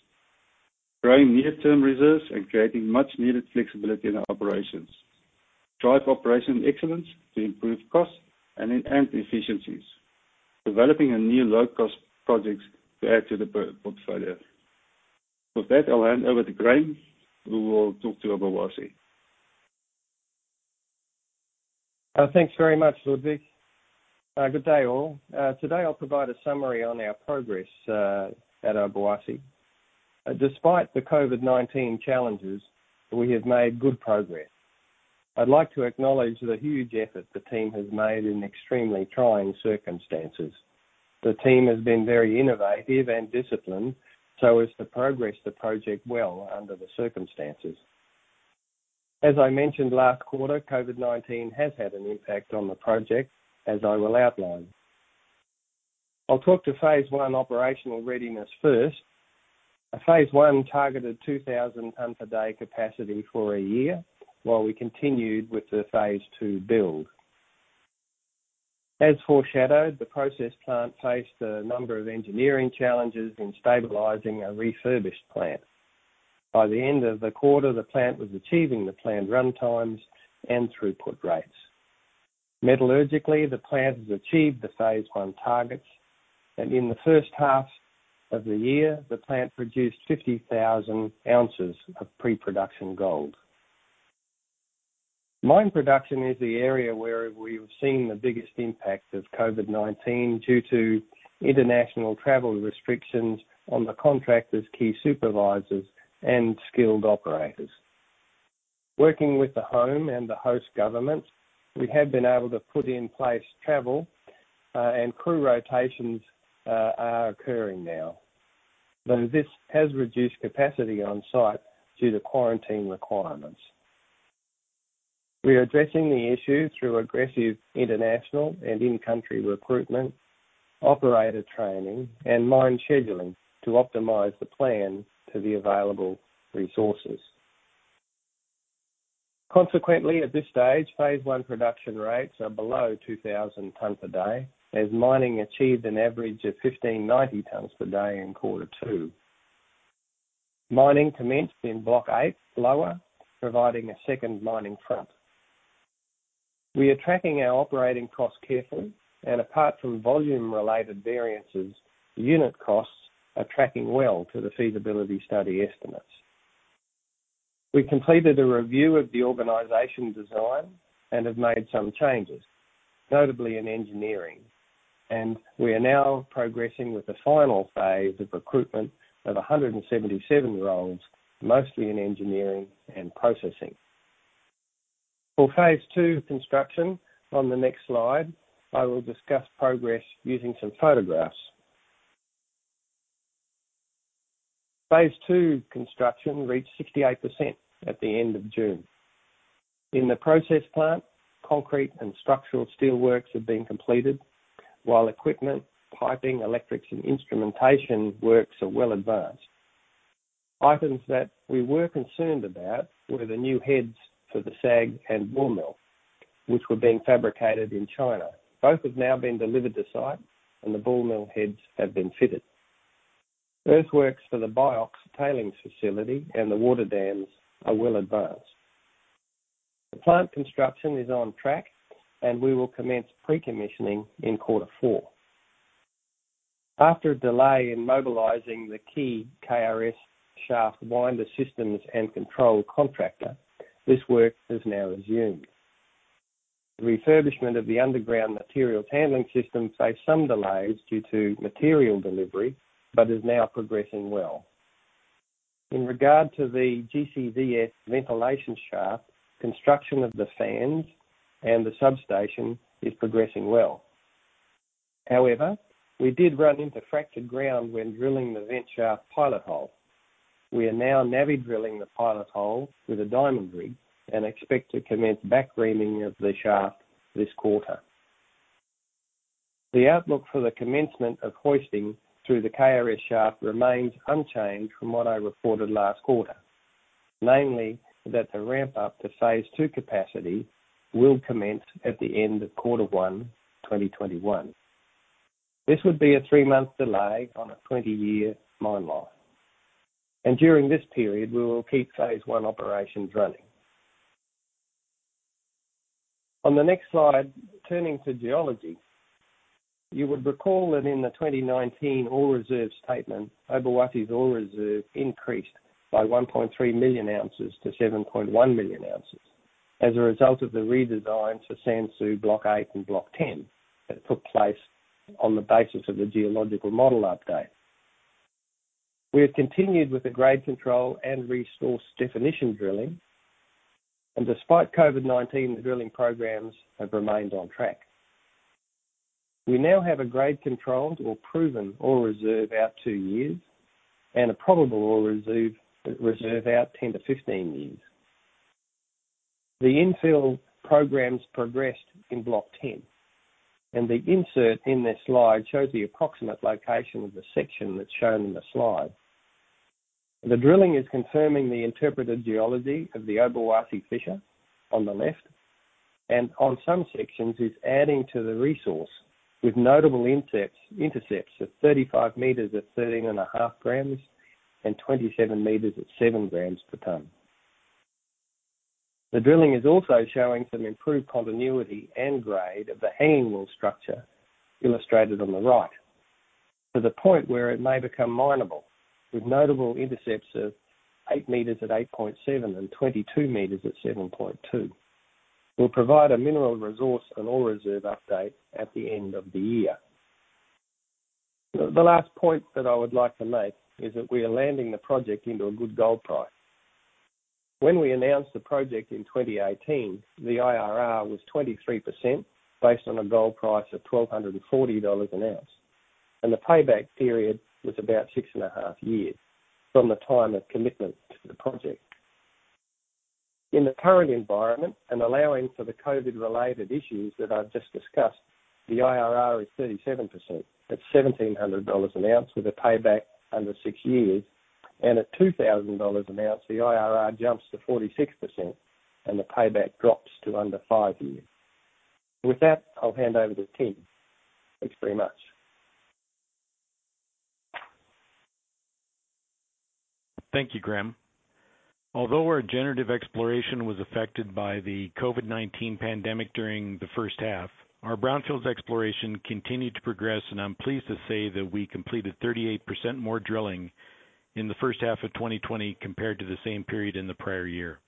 Growing near-term reserves and creating much-needed flexibility in our operations. Drive operational excellence to improve costs and enhance efficiencies. Developing new low-cost projects to add to the portfolio. With that, I'll hand over to Graham, who will talk to Obuasi. Thanks very much, Ludwig. Good day, all. Today, I'll provide a summary on our progress at Obuasi. Despite the COVID-19 challenges, we have made good progress. I'd like to acknowledge the huge effort the team has made in extremely trying circumstances. The team has been very innovative and disciplined so as to progress the project well under the circumstances. As I mentioned last quarter, COVID-19 has had an impact on the project, as I will outline. I'll talk to phase 1 operational readiness first. Phase 1 targeted 2,000 tonnes a day capacity for a year, while we continued with the phase 2 build. As foreshadowed, the process plant faced a number of engineering challenges in stabilizing a refurbished plant. By the end of the quarter, the plant was achieving the planned runtimes and throughput rates. Metallurgically, the plant has achieved the phase 1 targets, and in the first half of the year, the plant produced 50,000 oz of pre-production gold. Mine production is the area where we've seen the biggest impact of COVID-19 due to international travel restrictions on the contractors, key supervisors, and skilled operators. Working with the home and the host government, we have been able to put in place travel, and crew rotations are occurring now. Though this has reduced capacity on-site due to quarantine requirements. We are addressing the issue through aggressive international and in-country recruitment, operator training, and mine scheduling to optimize the plan to the available resources. Consequently, at this stage, phase 1 production rates are below 2,000 tonnes a day, as mining achieved an average of 1,590 tonnes per day in quarter two Mining commenced in Block 8 Lower, providing a second mining front. We are tracking our operating costs carefully, and apart from volume-related variances, unit costs are tracking well to the feasibility study estimates. We completed a review of the organization design and have made some changes, notably in engineering, and we are now progressing with the final phase of recruitment of 177 roles, mostly in engineering and processing. For phase 2 construction, on the next slide, I will discuss progress using some photographs. Phase 2 construction reached 68% at the end of June. In the process plant, concrete and structural steelworks have been completed, while equipment, piping, electrics, and instrumentation works are well advanced. Items that we were concerned about were the new heads for the SAG and ball mill, which were being fabricated in China. Both have now been delivered to site, and the ball mill heads have been fitted. Earthworks for the BIOX tailings facility and the water dams are well advanced. The plant construction is on track, and we will commence pre-commissioning in quarter four. After a delay in mobilizing the key KRS shaft winder systems and control contractor, this work has now resumed. The refurbishment of the underground materials handling system faced some delays due to material delivery, but is now progressing well. In regard to the GCVS ventilation shaft, construction of the fans and the substation is progressing well. We did run into fractured ground when drilling the vent shaft pilot hole. We are now Navi drilling the pilot hole with a diamond rig and expect to commence back reaming of the shaft this quarter. The outlook for the commencement of hoisting through the KRS shaft remains unchanged from what I reported last quarter. Namely, that the ramp up to phase two capacity will commence at the end of quarter one 2021. This would be a three-month delay on a 20-year mine life. During this period, we will keep phase one operations running. On the next slide, turning to geology, you would recall that in the 2019 ore reserve statement, Obuasi's ore reserve increased by 1.3 million oz-7.1 million oz as a result of the redesign to Sansu Block 8 and Block 10 that took place on the basis of the geological model update. We have continued with the grade control and resource definition drilling, and despite COVID-19, the drilling programs have remained on track. We now have a grade controlled or proven ore reserve out two years and a probable ore reserve out 10 to 15 years. The infill programs progressed in Block 10, and the insert in this slide shows the approximate location of the section that's shown in the slide. The drilling is confirming the interpreted geology of the Obuasi Fissure on the left, and on some sections is adding to the resource with notable intercepts of 35 m at 13.5 g/tonne and 27 m at 7 g/tonne. The drilling is also showing some improved continuity and grade of the Hanging Wall structure, illustrated on the right, to the point where it may become mineable, with notable intercepts of 8 m at 8.7 g/tonne and 22 m at 7.2 g/tonne. We'll provide a mineral resource and ore reserve update at the end of the year. The last point that I would like to make is that we are landing the project into a good gold price. When we announced the project in 2018, the IRR was 23%, based on a gold price of $1,240 an ounce, and the payback period was about 6.5 years from the time of commitment to the project. In the current environment, and allowing for the COVID-19-related issues that I've just discussed, the IRR is 37% at $1,700 an ounce, with a payback under six years. At $2,000 an ounce, the IRR jumps to 46%, and the payback drops to under five years. With that, I'll hand over to Tim. Thanks very much. Thank you, Graham. Although our generative exploration was affected by the COVID-19 pandemic during the first half, our brownfields exploration continued to progress, and I'm pleased to say that we completed 38% more drilling in the first half of 2020 compared to the same period in the prior year.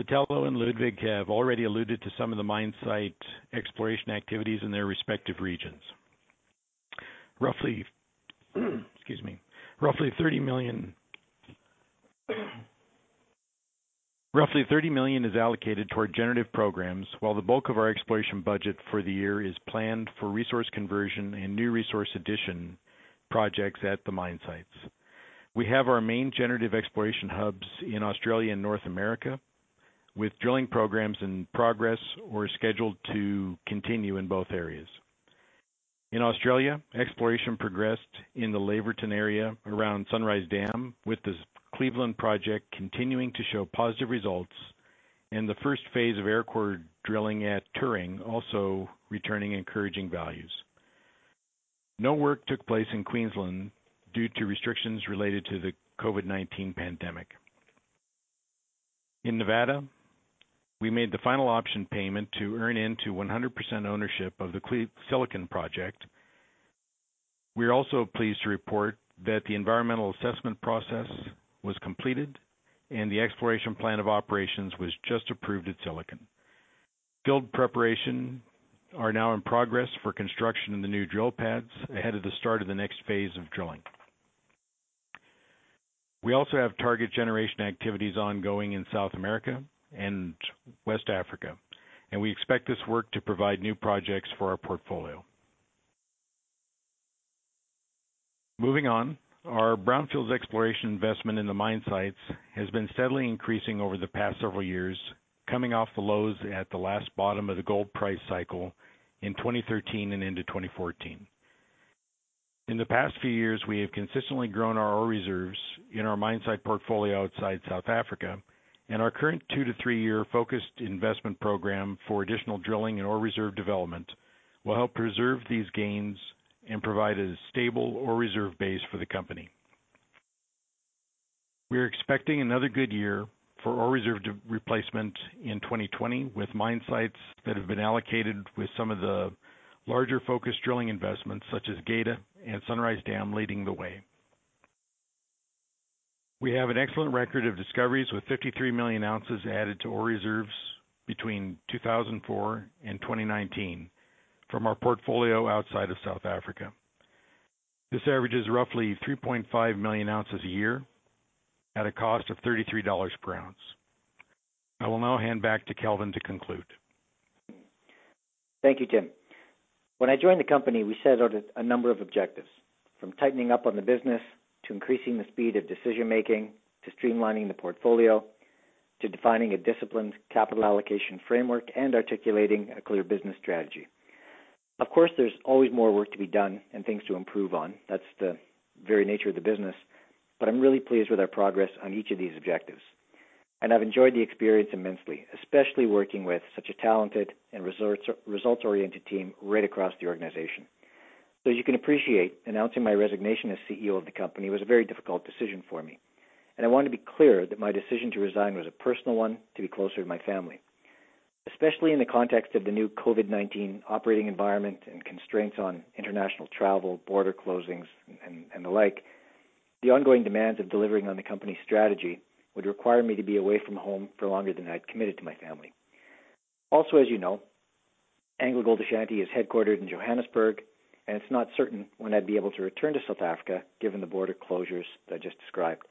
Sicelo and Ludwig have already alluded to some of the mine site exploration activities in their respective regions. Roughly, excuse me. Roughly $30 million is allocated toward generative programs, while the bulk of our exploration budget for the year is planned for resource conversion and new resource addition projects at the mine sites. We have our main generative exploration hubs in Australia and North America, with drilling programs in progress or scheduled to continue in both areas. In Australia, exploration progressed in the Laverton area around Sunrise Dam, with the Cleveland Project continuing to show positive results and the first phase of air core drilling at Turing also returning encouraging values. No work took place in Queensland due to restrictions related to the COVID-19 pandemic. In Nevada, we made the final option payment to earn into 100% ownership of the Silicon Project. We are also pleased to report that the environmental assessment process was completed and the exploration plan of operations was just approved at Silicon. Field preparation are now in progress for construction in the new drill pads ahead of the start of the next phase of drilling. We also have target generation activities ongoing in South America and West Africa, and we expect this work to provide new projects for our portfolio. Moving on, our brownfields exploration investment in the mine sites has been steadily increasing over the past several years, coming off the lows at the last bottom of the gold price cycle in 2013 and into 2014. In the past few years, we have consistently grown our ore reserves in our mine site portfolio outside South Africa, and our current two to three-year focused investment program for additional drilling and ore reserve development will help preserve these gains and provide a stable ore reserve base for the company. We are expecting another good year for ore reserve replacement in 2020 with mine sites that have been allocated with some of the larger focus drilling investments such as Geita and Sunrise Dam leading the way. We have an excellent record of discoveries with 53 million oz added to ore reserves between 2004 and 2019 from our portfolio outside of South Africa. This averages roughly 3.5 million oz a year at a cost of $33 per ounce. I will now hand back to Kelvin to conclude. Thank you, Tim. When I joined the company, we set out a number of objectives, from tightening up on the business, to increasing the speed of decision-making, to streamlining the portfolio, to defining a disciplined capital allocation framework, and articulating a clear business strategy. Of course, there's always more work to be done and things to improve on. That's the very nature of the business, but I'm really pleased with our progress on each of these objectives, and I've enjoyed the experience immensely, especially working with such a talented and results-oriented team right across the organization. You can appreciate announcing my resignation as CEO of the company was a very difficult decision for me, and I want to be clear that my decision to resign was a personal one to be closer to my family. Especially in the context of the new COVID-19 operating environment and constraints on international travel, border closings, and the like, the ongoing demands of delivering on the company's strategy would require me to be away from home for longer than I'd committed to my family. Also, as you know, AngloGold Ashanti is headquartered in Johannesburg, and it's not certain when I'd be able to return to South Africa, given the border closures that I just described.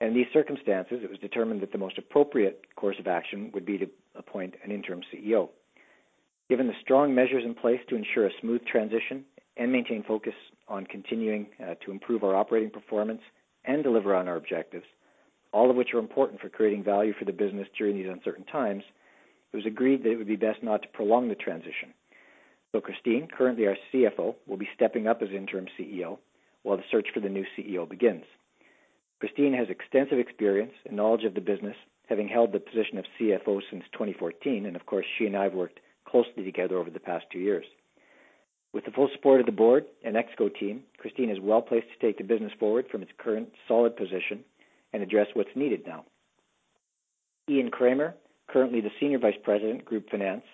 In these circumstances, it was determined that the most appropriate course of action would be to appoint an Interim CEO. Given the strong measures in place to ensure a smooth transition and maintain focus on continuing to improve our operating performance and deliver on our objectives, all of which are important for creating value for the business during these uncertain times, it was agreed that it would be best not to prolong the transition. Christine, currently our CFO, will be stepping up as interim CEO while the search for the new CEO begins. Christine has extensive experience and knowledge of the business, having held the position of CFO since 2014, and of course, she and I have worked closely together over the past two years. With the full support of the board and ExCo team, Christine is well-placed to take the business forward from its current solid position and address what's needed now. Ian Kramer, currently the Senior Vice President, Group Finance,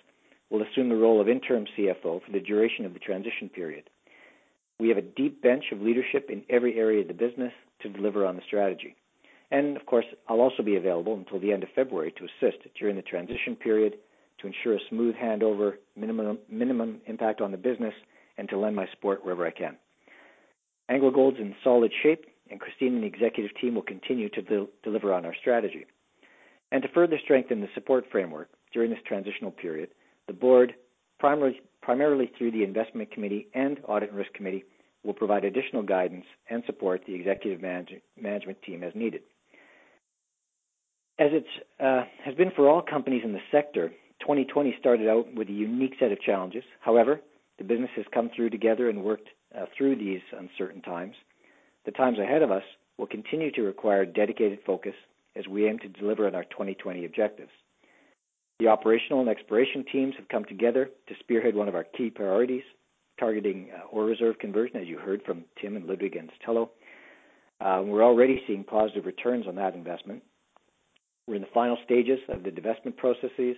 will assume the role of interim CFO for the duration of the transition period. We have a deep bench of leadership in every area of the business to deliver on the strategy. Of course, I'll also be available until the end of February to assist during the transition period to ensure a smooth handover, minimum impact on the business, and to lend my support wherever I can. AngloGold's in solid shape, and Christine and the executive team will continue to deliver on our strategy. To further strengthen the support framework during this transitional period, the board, primarily through the investment committee and audit risk committee, will provide additional guidance and support the executive management team as needed. As it has been for all companies in the sector, 2020 started out with a unique set of challenges. However, the business has come through together and worked through these uncertain times. The times ahead of us will continue to require dedicated focus as we aim to deliver on our 2020 objectives. The operational and exploration teams have come together to spearhead one of our key priorities, targeting ore reserve conversion, as you heard from Tim and Ludwig and Sicelo. We're already seeing positive returns on that investment. We're in the final stages of the divestment processes.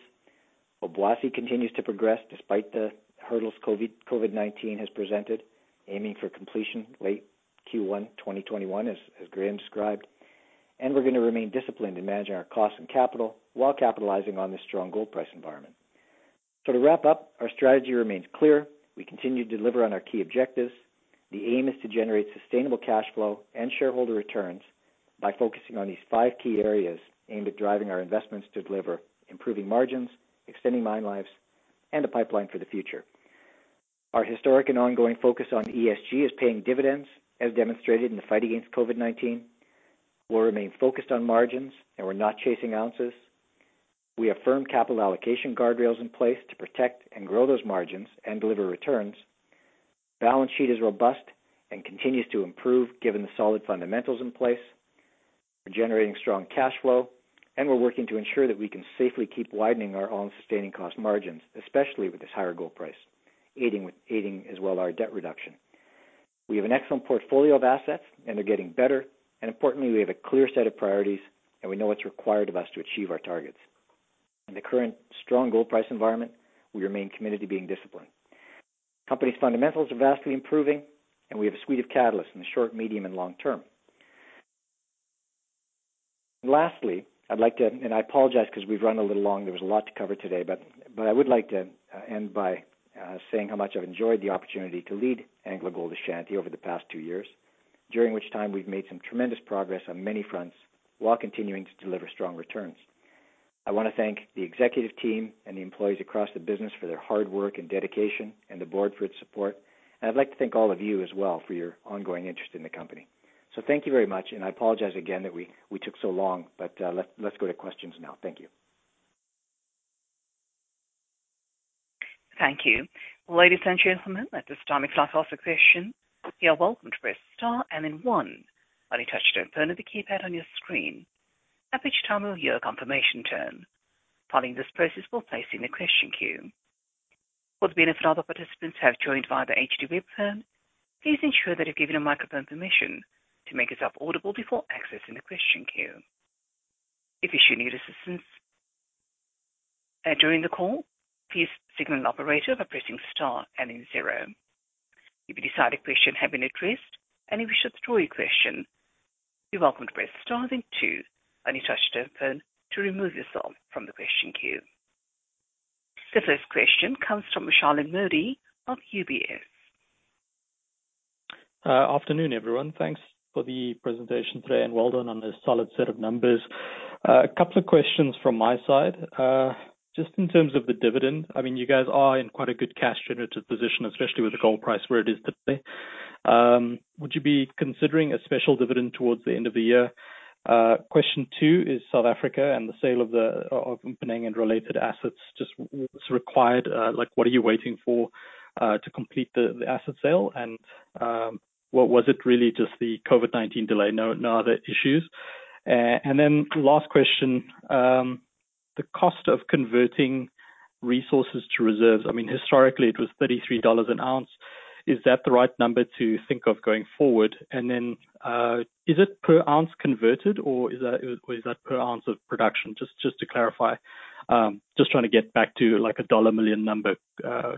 Obuasi continues to progress despite the hurdles COVID-19 has presented, aiming for completion late Q1 2021, as Graham described. We're going to remain disciplined in managing our costs and capital while capitalizing on this strong gold price environment. To wrap up, our strategy remains clear. We continue to deliver on our key objectives. The aim is to generate sustainable cash flow and shareholder returns by focusing on these five key areas aimed at driving our investments to deliver improving margins, extending mine lives, and a pipeline for the future. Our historic and ongoing focus on ESG is paying dividends, as demonstrated in the fight against COVID-19. We'll remain focused on margins. We're not chasing ounces. We have firm capital allocation guardrails in place to protect and grow those margins and deliver returns. Balance sheet is robust and continues to improve given the solid fundamentals in place. We're generating strong cash flow. We're working to ensure that we can safely keep widening our own sustaining cost margins, especially with this higher gold price, aiding as well our debt reduction. We have an excellent portfolio of assets. They're getting better. Importantly, we have a clear set of priorities. We know what's required of us to achieve our targets. In the current strong gold price environment, we remain committed to being disciplined. Company's fundamentals are vastly improving, and we have a suite of catalysts in the short, medium, and long term. Lastly, I'd like to, and I apologize because we've run a little long, there was a lot to cover today, but I would like to end by saying how much I've enjoyed the opportunity to lead AngloGold Ashanti over the past two years, during which time we've made some tremendous progress on many fronts while continuing to deliver strong returns. I want to thank the executive team and the employees across the business for their hard work and dedication, and the board for its support, and I'd like to thank all of you as well for your ongoing interest in the company. Thank you very much, and I apologize again that we took so long. Let's go to questions now. Thank you. Thank you. Ladies and gentlemen, at this time, if I could ask for questions, you are welcome to press star and then one on your touch-tone phone or the keypad on your screen. At which time you will hear a confirmation tone. Following this process will place you in the question queue. For the benefit of other participants who have joined via the HD web phone, please ensure that you've given your microphone permission to make yourself audible before accessing the question queue. If you should need assistance during the call, please signal an operator by pressing star and then zero. If you decide a question have been addressed, and if you should withdraw your question, you're welcome to press star then two on your touch-tone phone to remove yourself from the question queue. The first question comes from Shilan Modi of UBS. Afternoon, everyone. Thanks for the presentation today, and well done on this solid set of numbers. A couple of questions from my side. In terms of the dividend, you guys are in quite a good cash generative position, especially with the gold price where it is today. Would you be considering a special dividend towards the end of the year? Question two, South Africa and the sale of Mponeng and related assets was required, what are you waiting for to complete the asset sale? What was it really just the COVID-19 delay? No other issues. Last question, the cost of converting resources to reserves. Historically, it was $33 an ounce. Is that the right number to think of going forward? Is it per ounce converted or is that per ounce of production? Just to clarify. Just trying to get back to like a dollar million number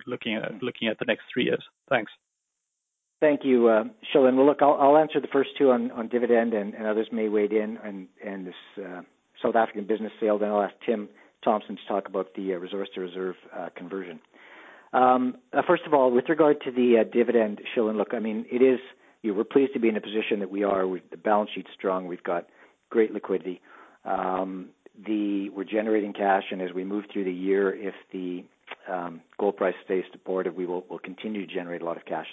looking at the next three years. Thanks. Thank you, Shilan. I'll answer the first two on dividend and others may weigh in on this South African business sale. I'll ask Tim Thompson to talk about the resource-to-reserve conversion. First of all, with regard to the dividend, Shilan, look, I mean, we're pleased to be in a position that we are with the balance sheet strong. We've got great liquidity. We're generating cash. As we move through the year, if the gold price stays supportive, we will continue to generate a lot of cash.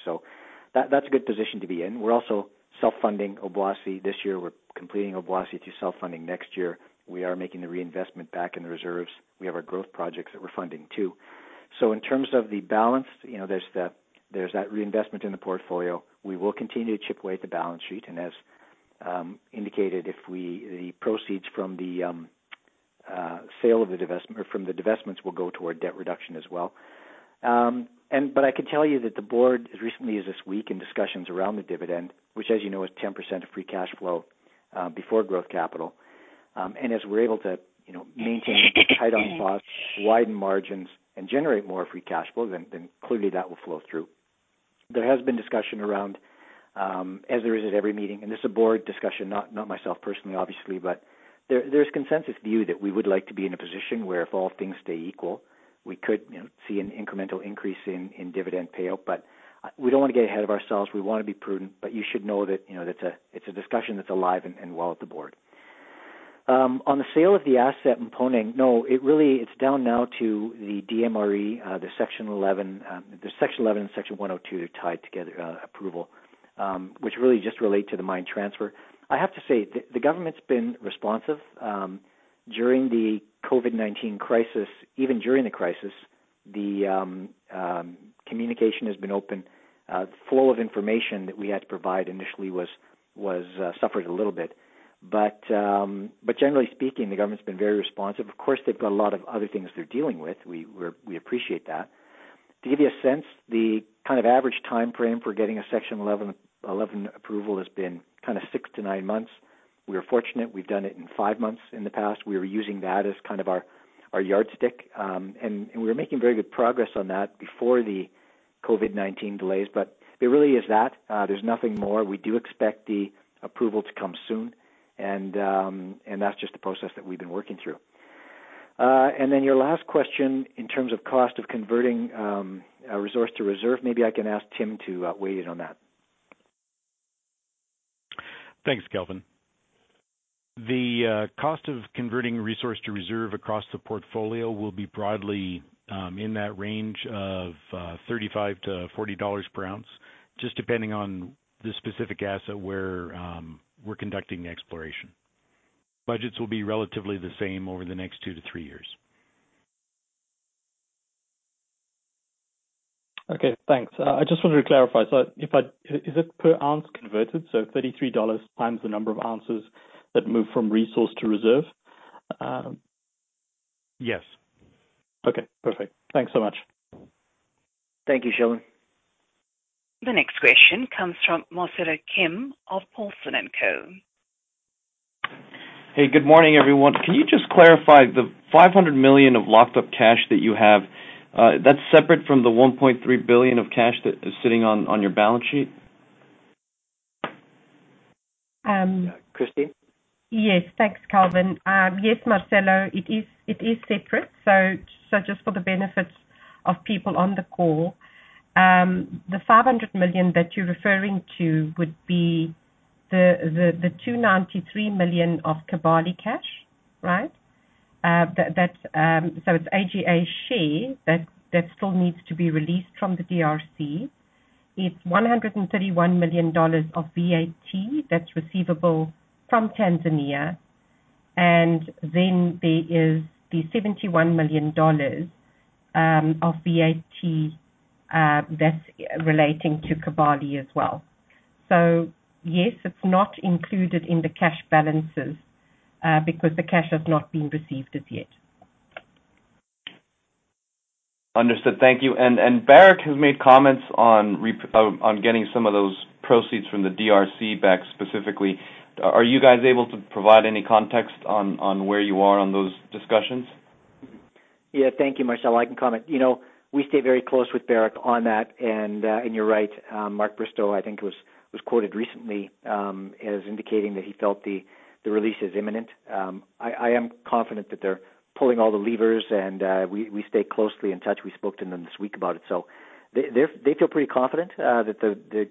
That's a good position to be in. We're also self-funding Obuasi this year. We're completing Obuasi to self-funding next year. We are making the reinvestment back in the reserves. We have our growth projects that we're funding too. In terms of the balance, there's that reinvestment in the portfolio. We will continue to chip away at the balance sheet. As indicated, the proceeds from the sale of the divestment or from the divestments will go toward debt reduction as well. I can tell you that the board, as recently as this week in discussions around the dividend, which as you know, is 10% of free cash flow before growth capital. As we're able to maintain tight on costs, widen margins, and generate more free cash flow, then clearly that will flow through. There has been discussion around, as there is at every meeting, and this is a board discussion, not myself personally, obviously, but there's consensus view that we would like to be in a position where if all things stay equal, we could see an incremental increase in dividend payout. We don't want to get ahead of ourselves. We want to be prudent, you should know that it's a discussion that's alive and well at the board. On the sale of the asset in Mponeng, it's down now to the DMRE, the Section 11 and Section 102, they're tied together approval, which really just relate to the mine transfer. I have to say, the government's been responsive, during the COVID-19 crisis, even during the crisis, the communication has been open. Flow of information that we had to provide initially suffered a little bit. Generally speaking, the government's been very responsive. Of course, they've got a lot of other things they're dealing with. We appreciate that. To give you a sense, the kind of average time frame for getting a Section 11 approval has been kind of six to nine months. We are fortunate we've done it in five months in the past. We were using that as kind of our yardstick. We were making very good progress on that before the COVID-19 delays, but it really is that. There's nothing more. We do expect the approval to come soon, and that's just the process that we've been working through. Your last question in terms of cost of converting resource to reserve, maybe I can ask Tim to weigh in on that. Thanks, Kelvin. The cost of converting resource to reserve across the portfolio will be broadly in that range of $35-$40 per ounce, just depending on the specific asset where we're conducting the exploration. Budgets will be relatively the same over the next two to three years. Thanks. I just wanted to clarify, is it per ounce converted, so $33 times the number of ounces that move from resource to reserve? Yes. Okay, perfect. Thanks so much. Thank you, Shilan. The next question comes from Marcelo Kim of Paulson & Co. Hey, good morning, everyone. Can you just clarify the $500 million of locked-up cash that you have, that's separate from the $1.3 billion of cash that is sitting on your balance sheet? Christine? Thanks, Kelvin. Marcelo, it is separate. Just for the benefit of people on the call, the $500 million that you're referring to would be the $293 million of Kibali cash. It's AGA's share that still needs to be released from the DRC. It's $131 million of VAT that's receivable from Tanzania. There is the $71 million of VAT that's relating to Kibali as well. Yes, it's not included in the cash balances, because the cash has not been received as yet. Understood. Thank you. Barrick has made comments on getting some of those proceeds from the DRC back specifically. Are you guys able to provide any context on where you are on those discussions? Yeah, thank you, Marcelo. I can comment. We stay very close with Barrick on that. You're right, Mark Bristow, I think, was quoted recently as indicating that he felt the release is imminent. I am confident that they're pulling all the levers. We stay closely in touch. We spoke to them this week about it. They feel pretty confident that the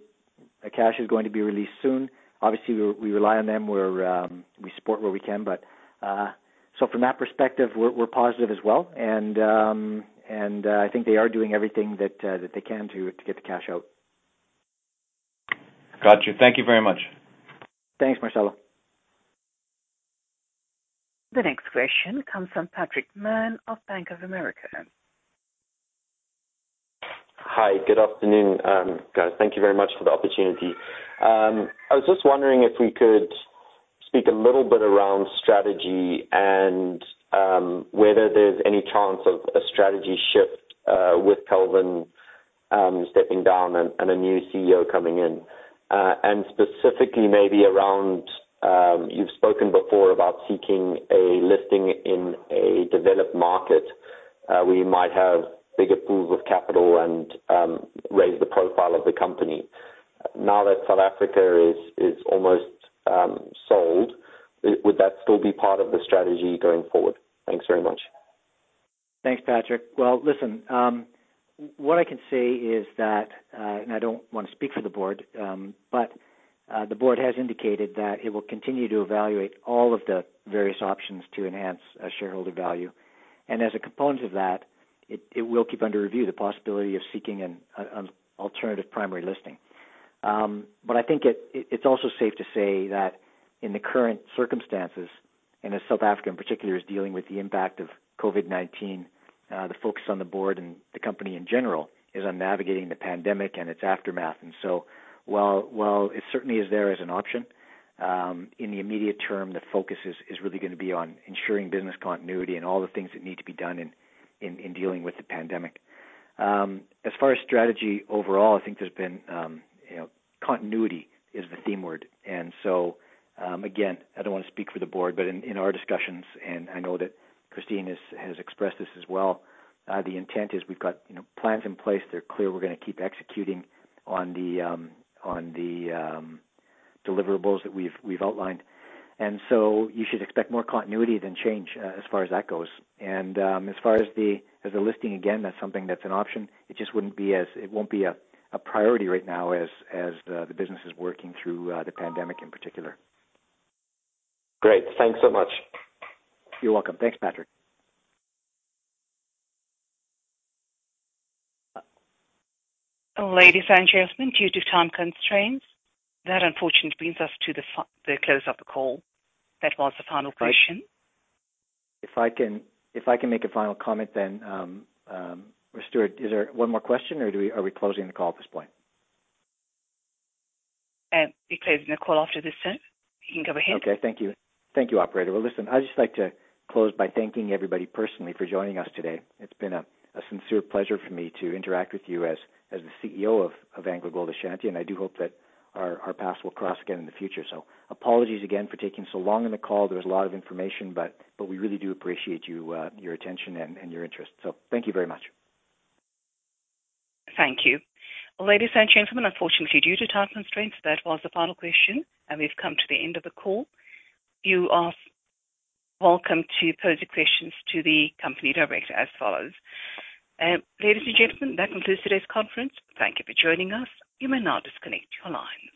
cash is going to be released soon. Obviously, we rely on them. We support where we can. From that perspective, we're positive as well. I think they are doing everything that they can to get the cash out. Got you. Thank you very much. Thanks, Marcelo. The next question comes from Patrick Mann of Bank of America. Hi. Good afternoon, guys. Thank you very much for the opportunity. I was just wondering if we could speak a little bit around strategy and whether there's any chance of a strategy shift with Kelvin stepping down and a new CEO coming in. Specifically maybe around, you've spoken before about seeking a listing in a developed market where you might have bigger pools of capital and raise the profile of the company. Now that South Africa is almost sold, would that still be part of the strategy going forward? Thanks very much. Thanks, Patrick. What I can say is that, and I don't want to speak for the board, but the board has indicated that it will continue to evaluate all of the various options to enhance shareholder value. As a component of that, it will keep under review the possibility of seeking an alternative primary listing. I think it's also safe to say that in the current circumstances, and as South Africa in particular is dealing with the impact of COVID-19, the focus on the board and the company in general is on navigating the pandemic and its aftermath. While it certainly is there as an option, in the immediate term, the focus is really going to be on ensuring business continuity and all the things that need to be done in dealing with the pandemic. As far as strategy overall, I think there's been continuity is the theme word. Again, I don't want to speak for the board, but in our discussions, and I know that Christine has expressed this as well, the intent is we've got plans in place. They're clear we're going to keep executing on the deliverables that we've outlined. You should expect more continuity than change as far as that goes. As far as the listing, again, that's something that's an option. It just won't be a priority right now as the business is working through the pandemic in particular. Great. Thanks so much. You're welcome. Thanks, Patrick. Ladies and gentlemen, due to time constraints, that unfortunately brings us to the close of the call. That was the final question. If I can make a final comment then. Stewart, is there one more question, or are we closing the call at this point? Closing the call after this, sir. You can go ahead. Okay. Thank you. Thank you, operator. Well, listen, I'd just like to close by thanking everybody personally for joining us today. It has been a sincere pleasure for me to interact with you as the CEO of AngloGold Ashanti, and I do hope that our paths will cross again in the future. Apologies again for taking so long on the call. There was a lot of information, but we really do appreciate your attention and your interest. Thank you very much. Thank you. Ladies and gentlemen, unfortunately, due to time constraints, that was the final question, and we've come to the end of the call. You are welcome to pose your questions to the company director as follows. Ladies and gentlemen, that concludes today's conference. Thank you for joining us. You may now disconnect your lines.